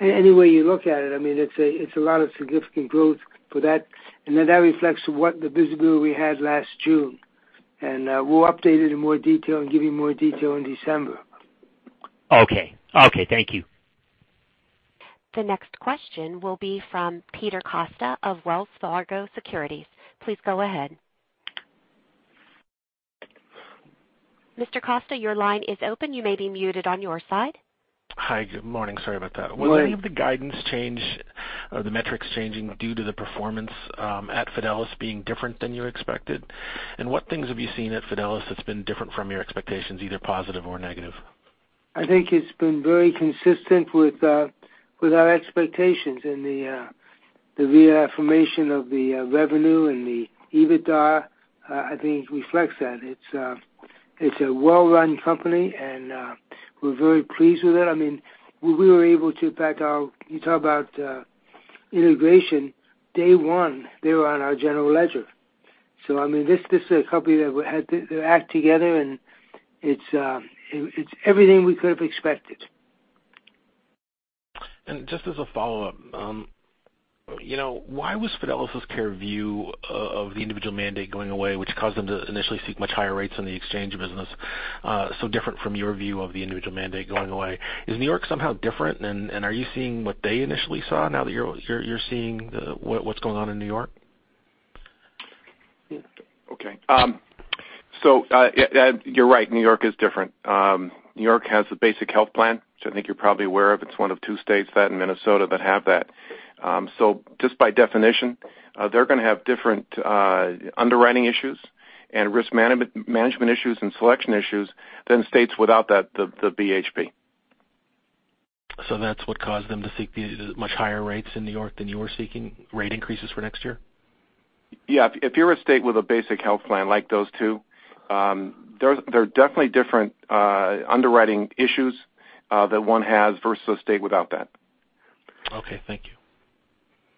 Any way you look at it's a lot of significant growth for that, and then that reflects what the visibility we had last June. We'll update it in more detail and give you more detail in December. Okay. Thank you. The next question will be from Peter Costa of Wells Fargo Securities. Please go ahead. Mr. Costa, your line is open. You may be muted on your side. Hi. Good morning. Sorry about that. Morning. Was any of the guidance change or the metrics changing due to the performance at Fidelis being different than you expected? What things have you seen at Fidelis that's been different from your expectations, either positive or negative? I think it's been very consistent with our expectations and the reaffirmation of the revenue and the EBITDA. I think it reflects that. It's a well-run company, and we're very pleased with it. You talk about integration. Day one, they were on our general ledger. This is a company that had their act together, and it's everything we could have expected. Just as a follow-up, why was Fidelis Care's view of the individual mandate going away, which caused them to initially seek much higher rates in the exchange business, so different from your view of the individual mandate going away? Is New York somehow different, and are you seeing what they initially saw now that you're seeing what's going on in New York? Okay. You're right, New York is different. New York has a basic health plan, which I think you're probably aware of. It's one of two states, that and Minnesota, that have that. Just by definition, they're going to have different underwriting issues and risk management issues and selection issues than states without the BHP. That's what caused them to seek these much higher rates in New York than you were seeking rate increases for next year? Yeah. If you're a state with a basic health plan like those two, there are definitely different underwriting issues that one has versus a state without that. Okay. Thank you.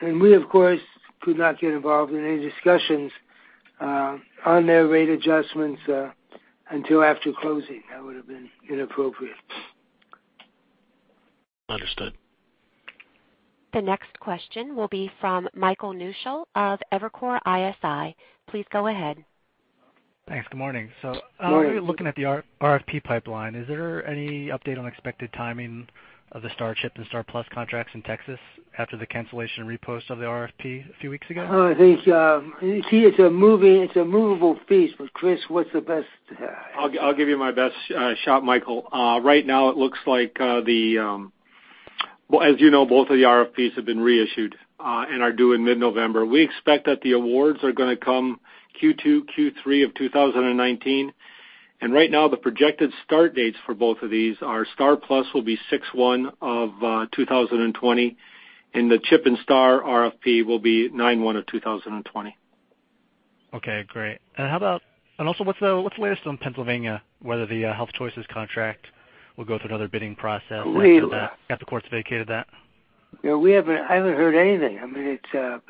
We, of course, could not get involved in any discussions on their rate adjustments until after closing. That would have been inappropriate. Understood. The next question will be from Michael Newshel of Evercore ISI. Please go ahead. Thanks. Good morning. Morning. How are you looking at the RFP pipeline? Is there any update on expected timing of the STAR CHIP and STAR+PLUS contracts in Texas after the cancellation and repost of the RFP a few weeks ago? I think it's a movable feast. Chris, what's the best? I'll give you my best shot, Michael. Right now, it looks like the Well, as you know, both of the RFPs have been reissued and are due in mid-November. We expect that the awards are going to come Q2, Q3 of 2019. Right now, the projected start dates for both of these are STAR+PLUS will be 6/1 of 2020, and the CHIP and STAR RFP will be 9/1 of 2020. Okay, great. Also, what's the latest on Pennsylvania, whether the HealthChoices contract will go through another bidding process after the courts vacated that? I haven't heard anything.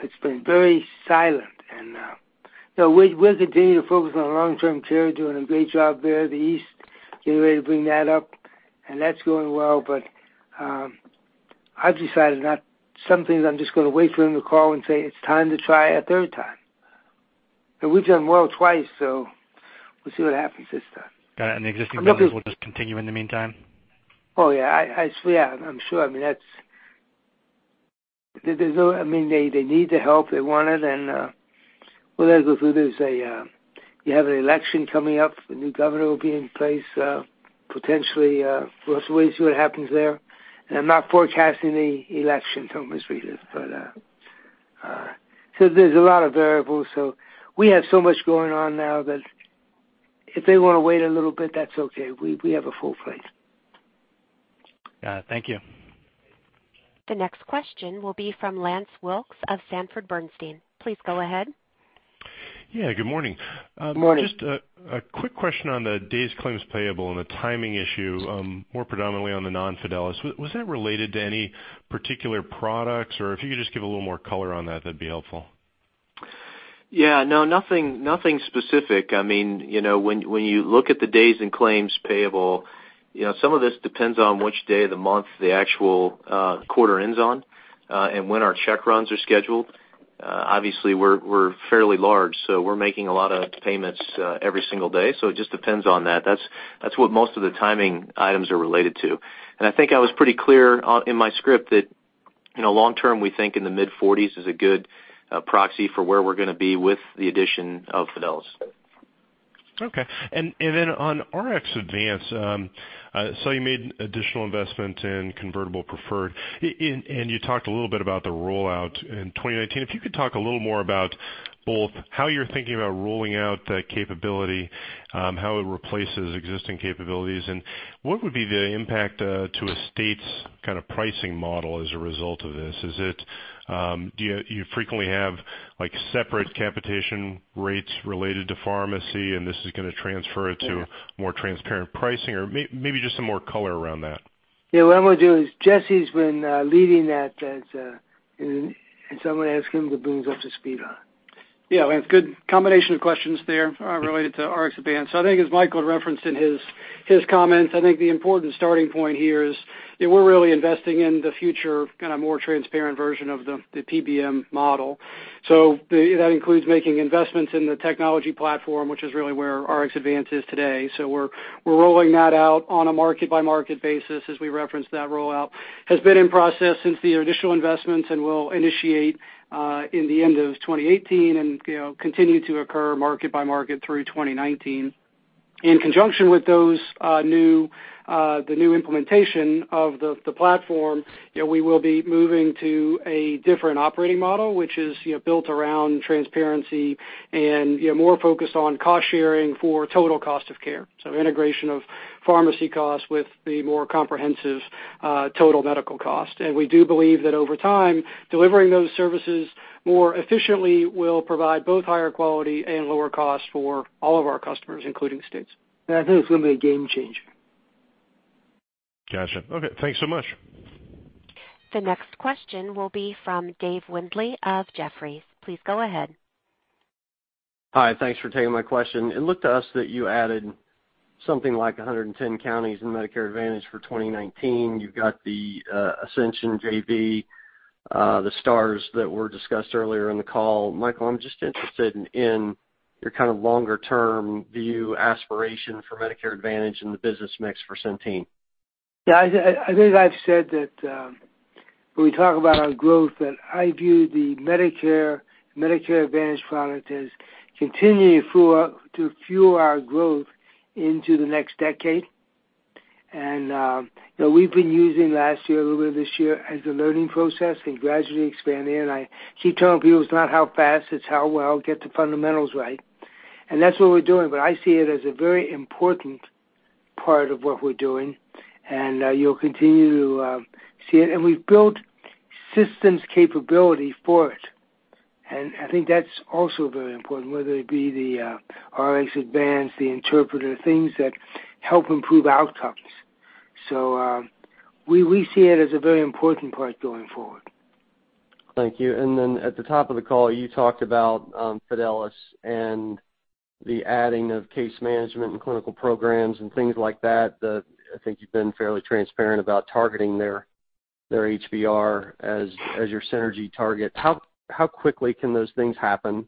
It's been very silent. No, we'll continue to focus on long-term care, doing a great job there, the East, getting ready to bring that up, and that's going well. Some things, I'm just going to wait for them to call and say, "It's time to try a third time." We've done well twice, we'll see what happens this time. Got it. I'm looking- Business will just continue in the meantime? Oh, yeah. I'm sure. They need the help, they want it, well, there's an election coming up. The new governor will be in place, potentially, we'll see what happens there. I'm not forecasting the election, don't misread it, there's a lot of variables. We have so much going on now that if they want to wait a little bit, that's okay. We have a full plate. Got it. Thank you. The next question will be from Lance Wilkes of Sanford Bernstein. Please go ahead. Yeah, good morning. Morning. Just a quick question on the days claims payable and the timing issue, more predominantly on the non-Fidelis. Was that related to any particular products? If you could just give a little more color on that'd be helpful. Yeah, no, nothing specific. When you look at the days and claims payable, some of this depends on which day of the month the actual quarter ends on, and when our check runs are scheduled. Obviously, we're fairly large, so we're making a lot of payments every single day, so it just depends on that. That's what most of the timing items are related to. I think I was pretty clear in my script that, long term, we think in the mid-forties is a good proxy for where we're going to be with the addition of Fidelis. Okay. On RxAdvance, you made additional investment in convertible preferred. You talked a little bit about the rollout in 2019. If you could talk a little more about both how you're thinking about rolling out the capability, how it replaces existing capabilities, and what would be the impact to a state's kind of pricing model as a result of this? Do you frequently have separate capitation rates related to pharmacy, and this is going to transfer it to- Yeah more transparent pricing, or maybe just some more color around that. Yeah. What I'm going to do is, Jesse's been leading that. I'm going to ask him to bring us up to speed on it. Yeah. It's a good combination of questions there related to RxAdvance. I think, as Michael referenced in his comments, I think the important starting point here is that we're really investing in the future, kind of more transparent version of the PBM model. That includes making investments in the technology platform, which is really where RxAdvance is today. We're rolling that out on a market-by-market basis, as we referenced that rollout. Has been in process since the initial investments and will initiate in the end of 2018 and continue to occur market by market through 2019. In conjunction with the new implementation of the platform, we will be moving to a different operating model, which is built around transparency and more focused on cost-sharing for total cost of care. Integration of pharmacy costs with the more comprehensive total medical cost. We do believe that over time, delivering those services more efficiently will provide both higher quality and lower cost for all of our customers, including states. Yeah. I think it's going to be a game changer. Got you. Okay, thanks so much. The next question will be from Dave Windley of Jefferies. Please go ahead. Hi. Thanks for taking my question. It looked to us that you added something like 110 counties in Medicare Advantage for 2019. You've got the Ascension JV, the stars that were discussed earlier in the call. Michael, I'm just interested in your kind of longer term view aspiration for Medicare Advantage and the business mix for Centene. Yeah. I think I've said that, when we talk about our growth, that I view the Medicare Advantage product as continuing to fuel our growth into the next decade. We've been using last year, a little bit of this year as a learning process and gradually expanding. I keep telling people it's not how fast, it's how well. Get the fundamentals right. That's what we're doing, but I see it as a very important part of what we're doing, and you'll continue to see it. We've built systems capability for it, and I think that's also very important, whether it be the RxAdvance, the Interpreta, things that help improve outcomes. We see it as a very important part going forward. Thank you. At the top of the call, you talked about Fidelis and the adding of case management and clinical programs and things like that I think you've been fairly transparent about targeting their HBR as your synergy targets. How quickly can those things happen?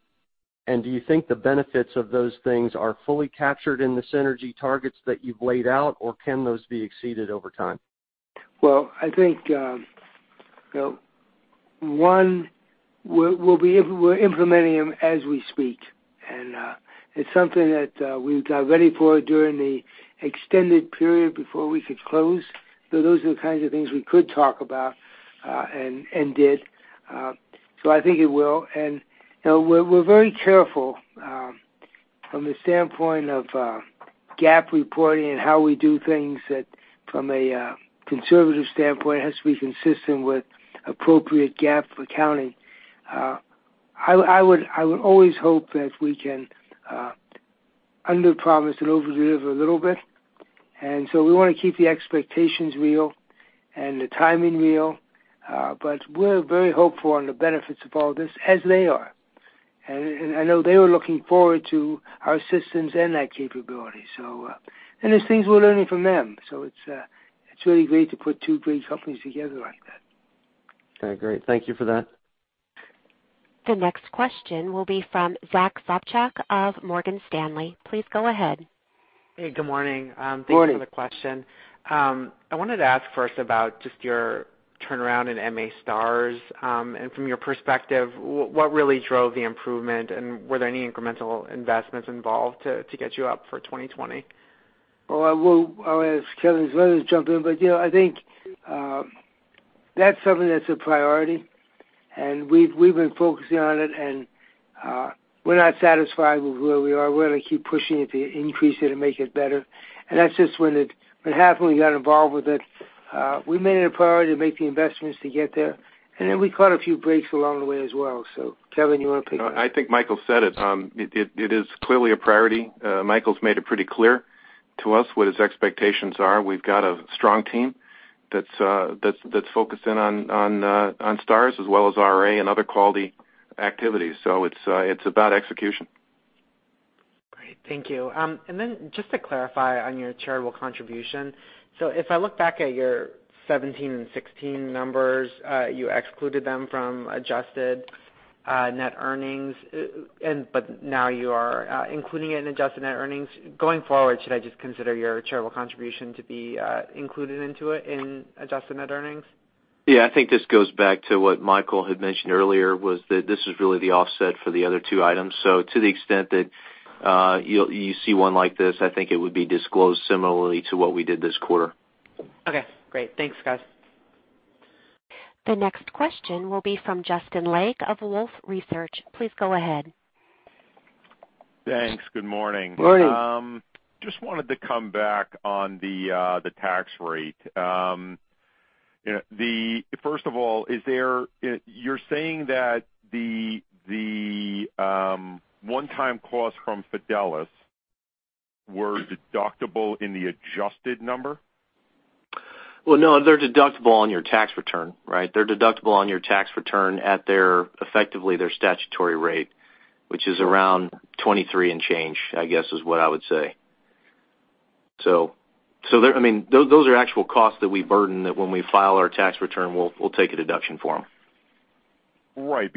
Do you think the benefits of those things are fully captured in the synergy targets that you've laid out, or can those be exceeded over time? Well, I think, one, we're implementing them as we speak. It's something that we got ready for during the extended period before we could close. Those are the kinds of things we could talk about, and did. I think it will. We're very careful, from the standpoint of GAAP reporting and how we do things that from a conservative standpoint, has to be consistent with appropriate GAAP accounting. I would always hope that we can Under promise and over deliver a little bit. We want to keep the expectations real and the timing real. We're very hopeful on the benefits of all this, as they are. I know they were looking forward to our systems and that capability. There's things we're learning from them. It's really great to put two great companies together like that. Okay, great. Thank you for that. The next question will be from Zack Sopcak of Morgan Stanley. Please go ahead. Hey, good morning. Morning. Thanks for the question. I wanted to ask first about just your turnaround in MA STARs. From your perspective, what really drove the improvement, and were there any incremental investments involved to get you up for 2020? Well, I'll ask Kevin to jump in, but I think that's something that's a priority, and we've been focusing on it, and we're not satisfied with where we are. We're going to keep pushing it to increase it and make it better. That's just what happened when we got involved with it. We made it a priority to make the investments to get there, and then we caught a few breaks along the way as well. Kevin, you want to pick it up? I think Michael said it. It is clearly a priority. Michael's made it pretty clear to us what his expectations are. We've got a strong team that's focused in on Stars as well as RA and other quality activities. It's about execution. Great. Thank you. Then just to clarify on your charitable contribution. If I look back at your 2017 and 2016 numbers, you excluded them from adjusted net earnings, but now you are including it in adjusted net earnings. Going forward, should I just consider your charitable contribution to be included into it in adjusted net earnings? I think this goes back to what Michael had mentioned earlier, was that this is really the offset for the other two items. To the extent that you see one like this, I think it would be disclosed similarly to what we did this quarter. Okay, great. Thanks, guys. The next question will be from Justin Lake of Wolfe Research. Please go ahead. Thanks. Good morning. Morning. Just wanted to come back on the tax rate. First of all, you're saying that the one-time cost from Fidelis were deductible in the adjusted number? Well, no, they're deductible on your tax return. They're deductible on your tax return at effectively their statutory rate, which is around 23 and change, I guess is what I would say. Those are actual costs that we burden that when we file our tax return, we'll take a deduction for them. Right.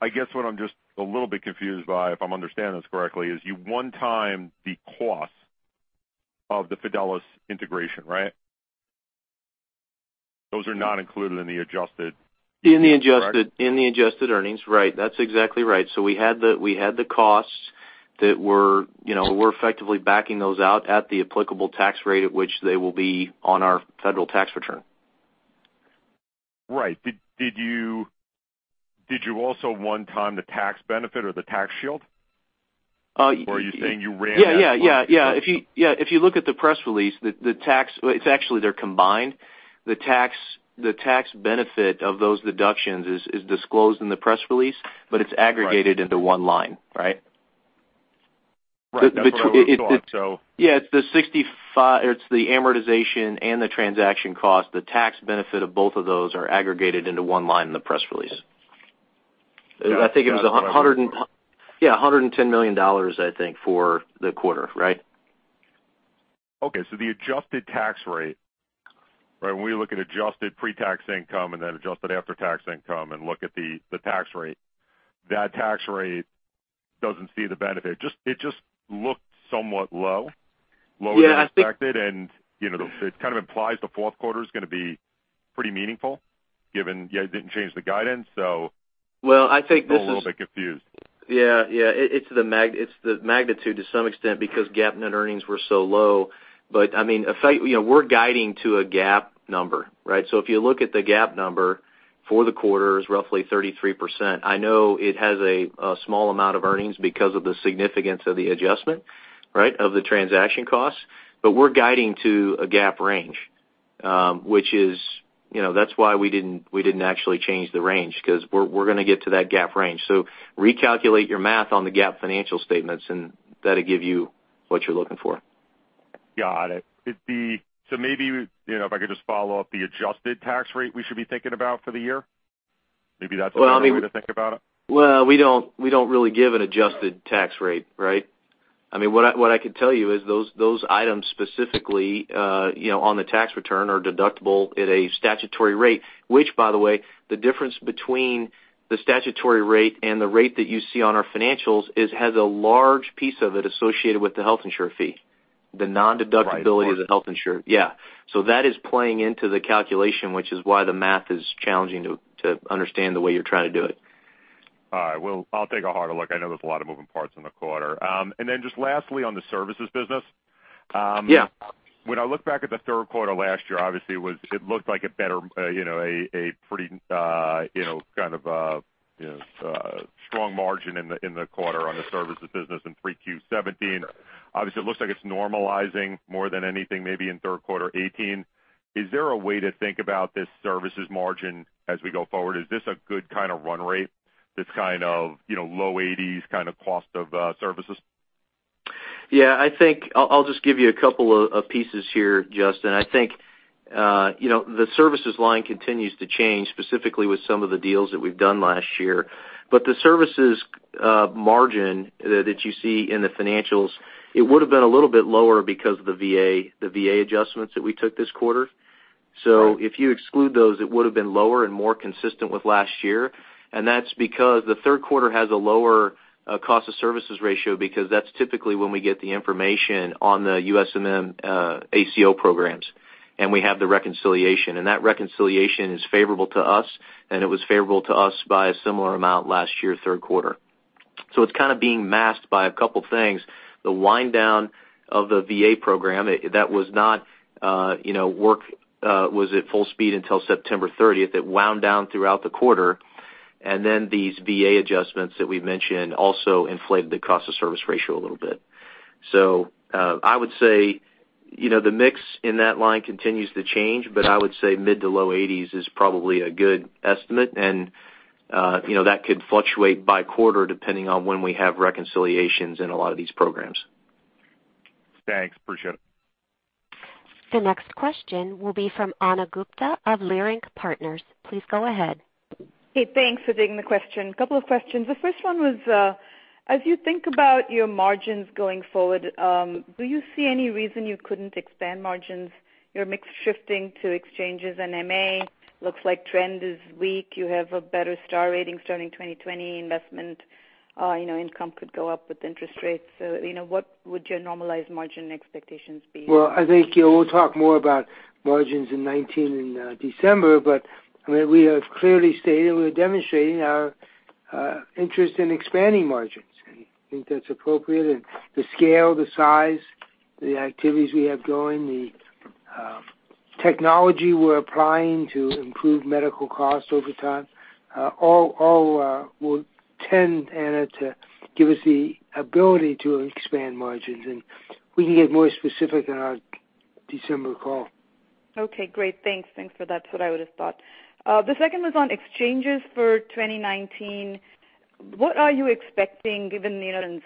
I guess what I'm just a little bit confused by, if I'm understanding this correctly, is you one-time the cost of the Fidelis integration, right? Those are not included in the adjusted- In the adjusted earnings. Right. That's exactly right. We had the costs that were effectively backing those out at the applicable tax rate at which they will be on our federal tax return. Right. Did you also one-time the tax benefit or the tax shield? Or are you saying you ran that- Yeah. If you look at the press release, it's actually they're combined. The tax benefit of those deductions is disclosed in the press release, but it's aggregated into one line, right? Right. That's what I was thought. Yeah, it's the amortization and the transaction cost. The tax benefit of both of those are aggregated into one line in the press release. Got it. I think it was $110 million, I think, for the quarter, right? Okay, the adjusted tax rate. When we look at adjusted pre-tax income and then adjusted after-tax income and look at the tax rate, that tax rate doesn't see the benefit. It just looked somewhat low. Lower than expected. It kind of implies the fourth quarter's going to be pretty meaningful given you didn't change the guidance. Well, I think this is. I'm a little bit confused. Yeah. It's the magnitude to some extent because GAAP net earnings were so low. We're guiding to a GAAP number. If you look at the GAAP number for the quarter, it's roughly 33%. I know it has a small amount of earnings because of the significance of the adjustment of the transaction costs. We're guiding to a GAAP range, which is why we didn't actually change the range, because we're going to get to that GAAP range. Recalculate your math on the GAAP financial statements, and that'll give you what you're looking for. Got it. Maybe, if I could just follow up the adjusted tax rate we should be thinking about for the year? Maybe that's another way to think about it. Well, we don't really give an adjusted tax rate. What I can tell you is those items specifically, on the tax return are deductible at a statutory rate, which by the way, the difference between the statutory rate and the rate that you see on our financials has a large piece of it associated with the Health Insurer Fee, the non-deductibility of the Health Insurer Fee. Yeah. That is playing into the calculation, which is why the math is challenging to understand the way you're trying to do it. All right. Well, I'll take a harder look. I know there's a lot of moving parts in the quarter. Then just lastly, on the services business. Yeah. When I look back at the third quarter last year, obviously it looked like a pretty strong margin in the quarter on the services business in 3Q 2017. Obviously, it looks like it is normalizing more than anything maybe in third quarter 2018. Is there a way to think about this services margin as we go forward? Is this a good kind of run rate, this kind of low 80s cost of services? I think I'll just give you a couple of pieces here, Justin. I think the services line continues to change, specifically with some of the deals that we've done last year. But the services margin that you see in the financials, it would've been a little bit lower because of the VA adjustments that we took this quarter. Right. If you exclude those, it would've been lower and more consistent with last year, and that's because the third quarter has a lower cost of services ratio because that's typically when we get the information on the USMM ACO programs, and we have the reconciliation, and that reconciliation is favorable to us, and it was favorable to us by a similar amount last year, third quarter. It's kind of being masked by a couple things. The wind down of the VA program that was at full speed until September 30th. It wound down throughout the quarter. These VA adjustments that we've mentioned also inflated the cost of service ratio a little bit. I would say the mix in that line continues to change, but I would say mid to low 80s is probably a good estimate, and that could fluctuate by quarter depending on when we have reconciliations in a lot of these programs. Thanks. Appreciate it. The next question will be from Ana Gupte of Leerink Partners. Please go ahead. Hey, thanks for taking the question. Couple of questions. The first one was, as you think about your margins going forward, do you see any reason you couldn't expand margins? Your mix shifting to exchanges and MA looks like trend is weak. You have a better star rating starting 2020. Investment income could go up with interest rates. What would your normalized margin expectations be? I think we'll talk more about margins in 2019 in December, but we have clearly stated we're demonstrating our interest in expanding margins. I think that's appropriate, and the scale, the size, the activities we have going, the technology we're applying to improve medical costs over time, all will tend, Ana, to give us the ability to expand margins, and we can get more specific on our December call. Okay. Great. Thanks. That's what I would've thought. The second was on exchanges for 2019. What are you expecting given the decisions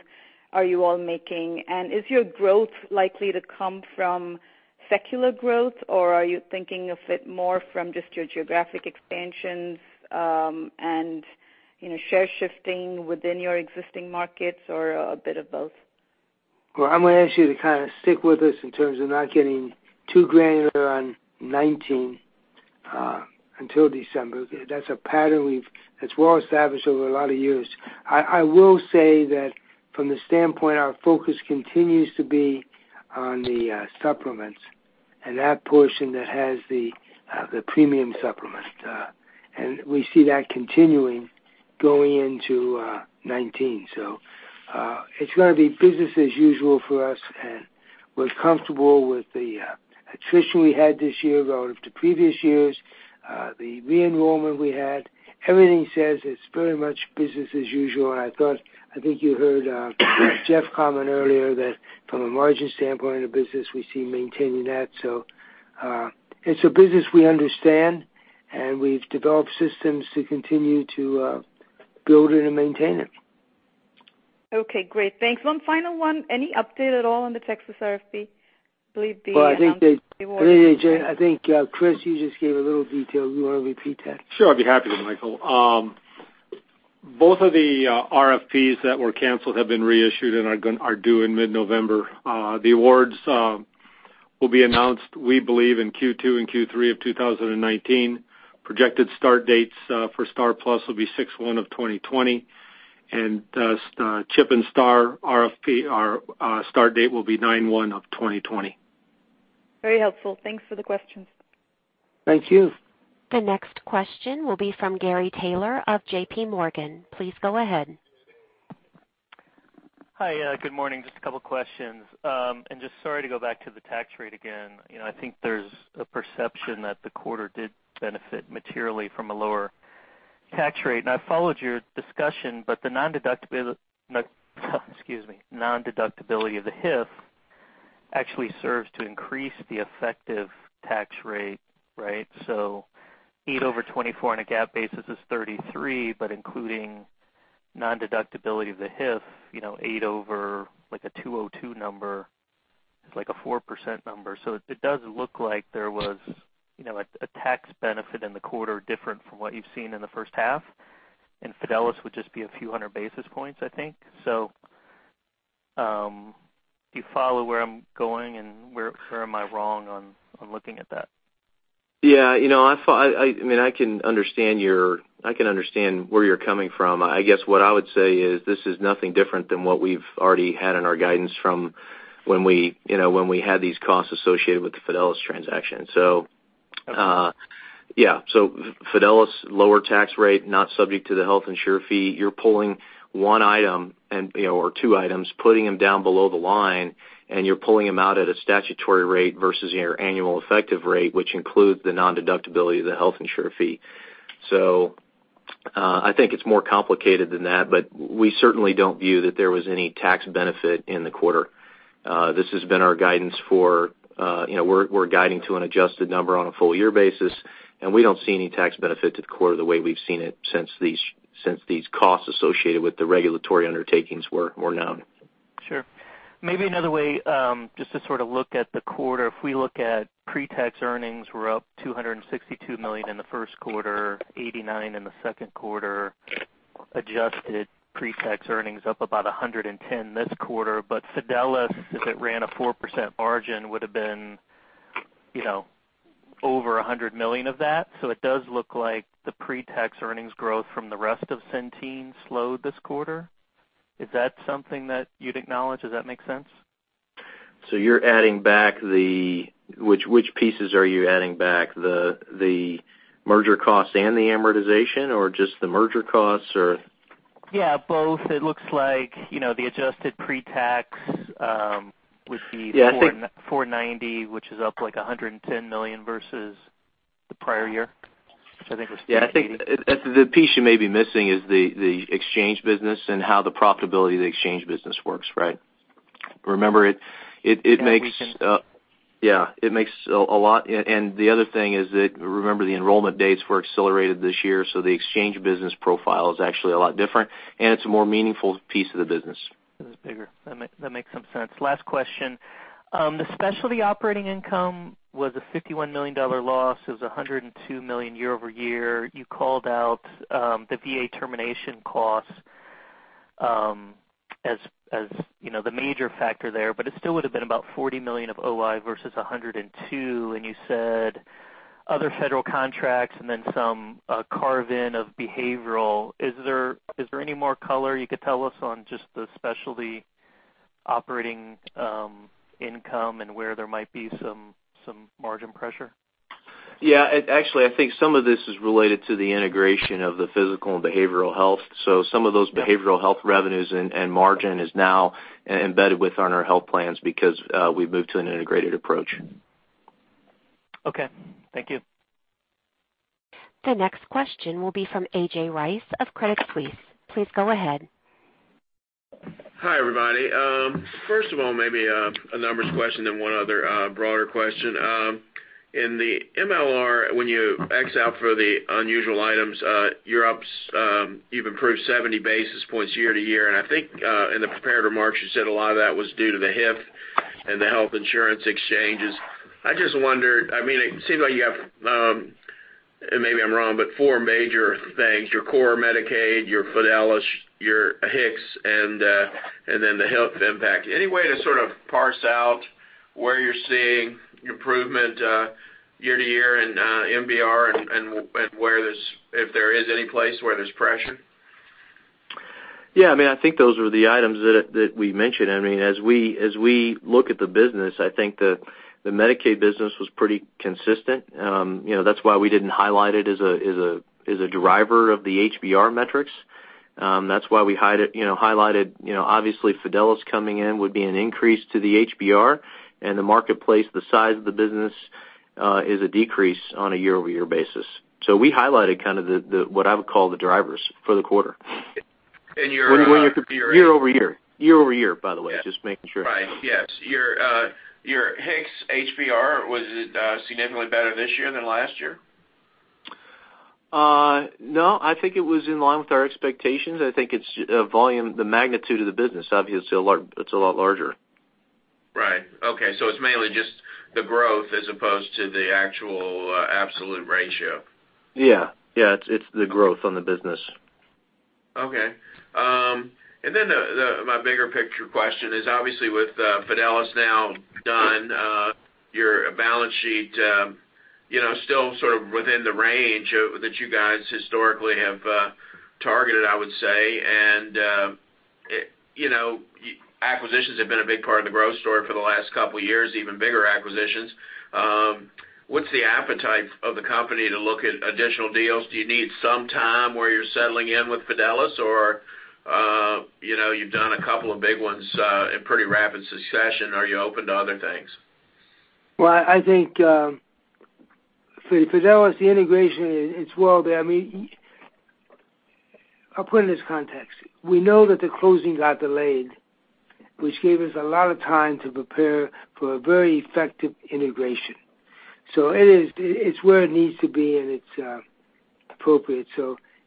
are you all making, and is your growth likely to come from secular growth, or are you thinking of it more from just your geographic expansions, and share shifting within your existing markets, or a bit of both? Well, I'm going to ask you to kind of stick with us in terms of not getting too granular on 2019 until December. That's a pattern that's well established over a lot of years. I will say that from the standpoint, our focus continues to be on the supplements and that portion that has the premium supplement. We see that continuing going into 2019. It's going to be business as usual for us, and we're comfortable with the attrition we had this year relative to previous years. The re-enrollment we had. Everything says it's very much business as usual, and I think you heard Jeff comment earlier that from a margin standpoint of the business, we see maintaining that. It's a business we understand, and we've developed systems to continue to build it and maintain it. Okay. Great. Thanks. One final one. Any update at all on the Texas RFP? Well, I think Chris, you just gave a little detail. You want to repeat that? Sure. I'd be happy to, Michael. Both of the RFPs that were canceled have been reissued and are due in mid-November. The awards will be announced, we believe, in Q2 and Q3 of 2019. Projected start dates for STAR+PLUS will be 6/1 of 2020. CHIP and STAR RFP, our start date will be 9/1 of 2020. Very helpful. Thanks for the questions. Thank you. The next question will be from Gary Taylor of J.P. Morgan. Please go ahead. Hi. Good morning. Just a couple questions. Sorry to go back to the tax rate again. I think there's a perception that the quarter did benefit materially from a lower tax rate. I followed your discussion, but the nondeductibility of the HIF actually serves to increase the effective tax rate, right? 8 over 24 on a GAAP basis is 33%, but including nondeductibility of the HIF, 8 over a 202 number is like a 4%. It does look like there was a tax benefit in the quarter different from what you've seen in the first half. Fidelis would just be a few hundred basis points, I think. Do you follow where I'm going, and where am I wrong on looking at that? Yeah. I can understand where you're coming from. I guess what I would say is this is nothing different than what we've already had in our guidance from when we had these costs associated with the Fidelis transaction. Fidelis lower tax rate, not subject to the Health Insurer Fee. You're pulling one item or two items, putting them down below the line, and you're pulling them out at a statutory rate versus your annual effective rate, which includes the nondeductibility of the Health Insurer Fee. I think it's more complicated than that, but we certainly don't view that there was any tax benefit in the quarter. This has been our guidance for, we're guiding to an adjusted number on a full year basis, and we don't see any tax benefit to the quarter the way we've seen it since these costs associated with the regulatory undertakings were known. Sure. Maybe another way, just to sort of look at the quarter. If we look at pre-tax earnings, we're up $262 million in the first quarter, $89 million in the second quarter. Adjusted pre-tax earnings up about $110 million this quarter. Fidelis, if it ran a 4% margin, would have been over $100 million of that. It does look like the pre-tax earnings growth from the rest of Centene slowed this quarter. Is that something that you'd acknowledge? Does that make sense? You're adding back the, which pieces are you adding back? The merger costs and the amortization or just the merger costs or? Yeah, both. It looks like the adjusted pre-tax would be. Yeah, I think. $490, which is up like $110 million versus the prior year, which I think was $380. Yeah, I think the piece you may be missing is the exchange business and how the profitability of the exchange business works, right? Remember it makes. Yeah. Yeah. It makes a lot. The other thing is that, remember, the enrollment dates were accelerated this year, the exchange business profile is actually a lot different, and it's a more meaningful piece of the business. It is bigger. That makes some sense. Last question. The specialty operating income was a $51 million loss. It was $102 million year-over-year. You called out the VA termination cost as the major factor there, but it still would have been about $40 million of OI versus $102 million, you said other federal contracts and then some carve-in of behavioral. Is there any more color you could tell us on just the specialty operating income and where there might be some margin pressure? Yeah, actually, I think some of this is related to the integration of the physical and behavioral health. Some of those behavioral health revenues and margin is now embedded with on our health plans because we've moved to an integrated approach. Okay. Thank you. The next question will be from A.J. Rice of Credit Suisse. Please go ahead. Hi, everybody. First of all, maybe a numbers question, then one other broader question. In the MLR, when you X out for the unusual items, you've improved 70 basis points year-to-year. I think in the prepared remarks, you said a lot of that was due to the HIF and the health insurance exchanges. I just wondered, it seems like you have, and maybe I'm wrong, but four major things, your core Medicaid, your Fidelis, your HIX, and then the health impact. Any way to sort of parse out where you're seeing improvement year-to-year in HBR and if there is any place where there's pressure? I think those were the items that we mentioned. We look at the business, I think the Medicaid business was pretty consistent. We didn't highlight it as a driver of the HBR metrics. We highlighted, obviously, Fidelis coming in would be an increase to the HBR, and the marketplace, the size of the business, is a decrease on a year-over-year basis. We highlighted kind of what I would call the drivers for the quarter. And your- Year-over-year, by the way, just making sure. Right. Yes. Your HIX HBR, was it significantly better this year than last year? No, I think it was in line with our expectations. I think it's volume, the magnitude of the business, obviously, it's a lot larger. Right. Okay. It's mainly just the growth as opposed to the actual absolute ratio. Yeah. It's the growth on the business. Okay. My bigger picture question is obviously with Fidelis now done, your balance sheet still sort of within the range that you guys historically have targeted, I would say. Acquisitions have been a big part of the growth story for the last couple of years, even bigger acquisitions. What's the appetite of the company to look at additional deals? Do you need some time where you're settling in with Fidelis? Or you've done a couple of big ones in pretty rapid succession. Are you open to other things? Well, I think for Fidelis, the integration, it's well there. I'll put it in this context. We know that the closing got delayed, which gave us a lot of time to prepare for a very effective integration. It's where it needs to be, and it's appropriate.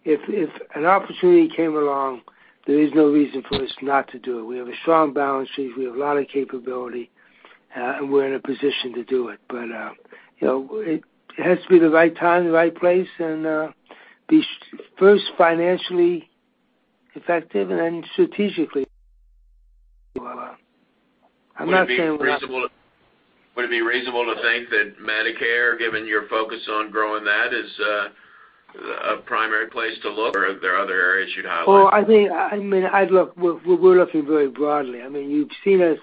If an opportunity came along, there is no reason for us not to do it. We have a strong balance sheet. We have a lot of capability, and we're in a position to do it. It has to be the right time, the right place, and be first financially effective and then strategically. I'm not saying we're not. Would it be reasonable to think that Medicare, given your focus on growing that, is a primary place to look, or are there other areas you'd highlight? Well, we're looking very broadly. You've seen us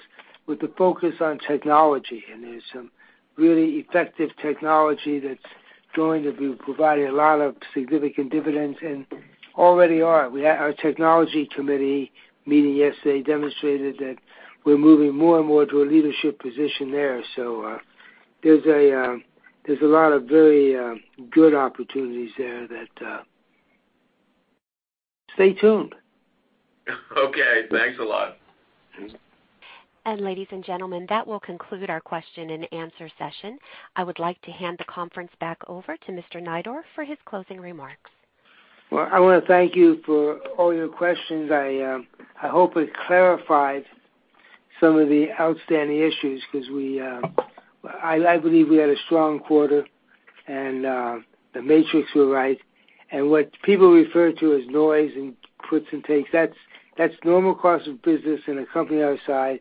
with the focus on technology, there's some really effective technology that's going to be providing a lot of significant dividends and already are. Our technology committee meeting yesterday demonstrated that we're moving more and more to a leadership position there. There's a lot of very good opportunities there that Stay tuned. Okay. Thanks a lot. Ladies and gentlemen, that will conclude our question and answer session. I would like to hand the conference back over to Mr. Neidorff for his closing remarks. Well, I want to thank you for all your questions. I hope it clarified some of the outstanding issues because I believe we had a strong quarter, and the metrics were right. What people refer to as noise and puts and takes, that's normal cost of business in a company our size.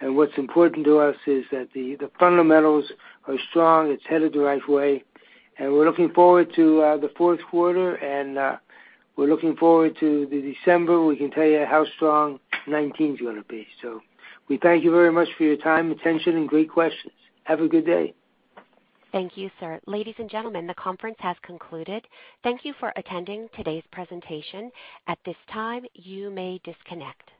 What's important to us is that the fundamentals are strong, it's headed the right way, and we're looking forward to the fourth quarter, and we're looking forward to the December. We can tell you how strong 2019 is going to be. We thank you very much for your time, attention, and great questions. Have a good day. Thank you, sir. Ladies and gentlemen, the conference has concluded. Thank you for attending today's presentation. At this time, you may disconnect.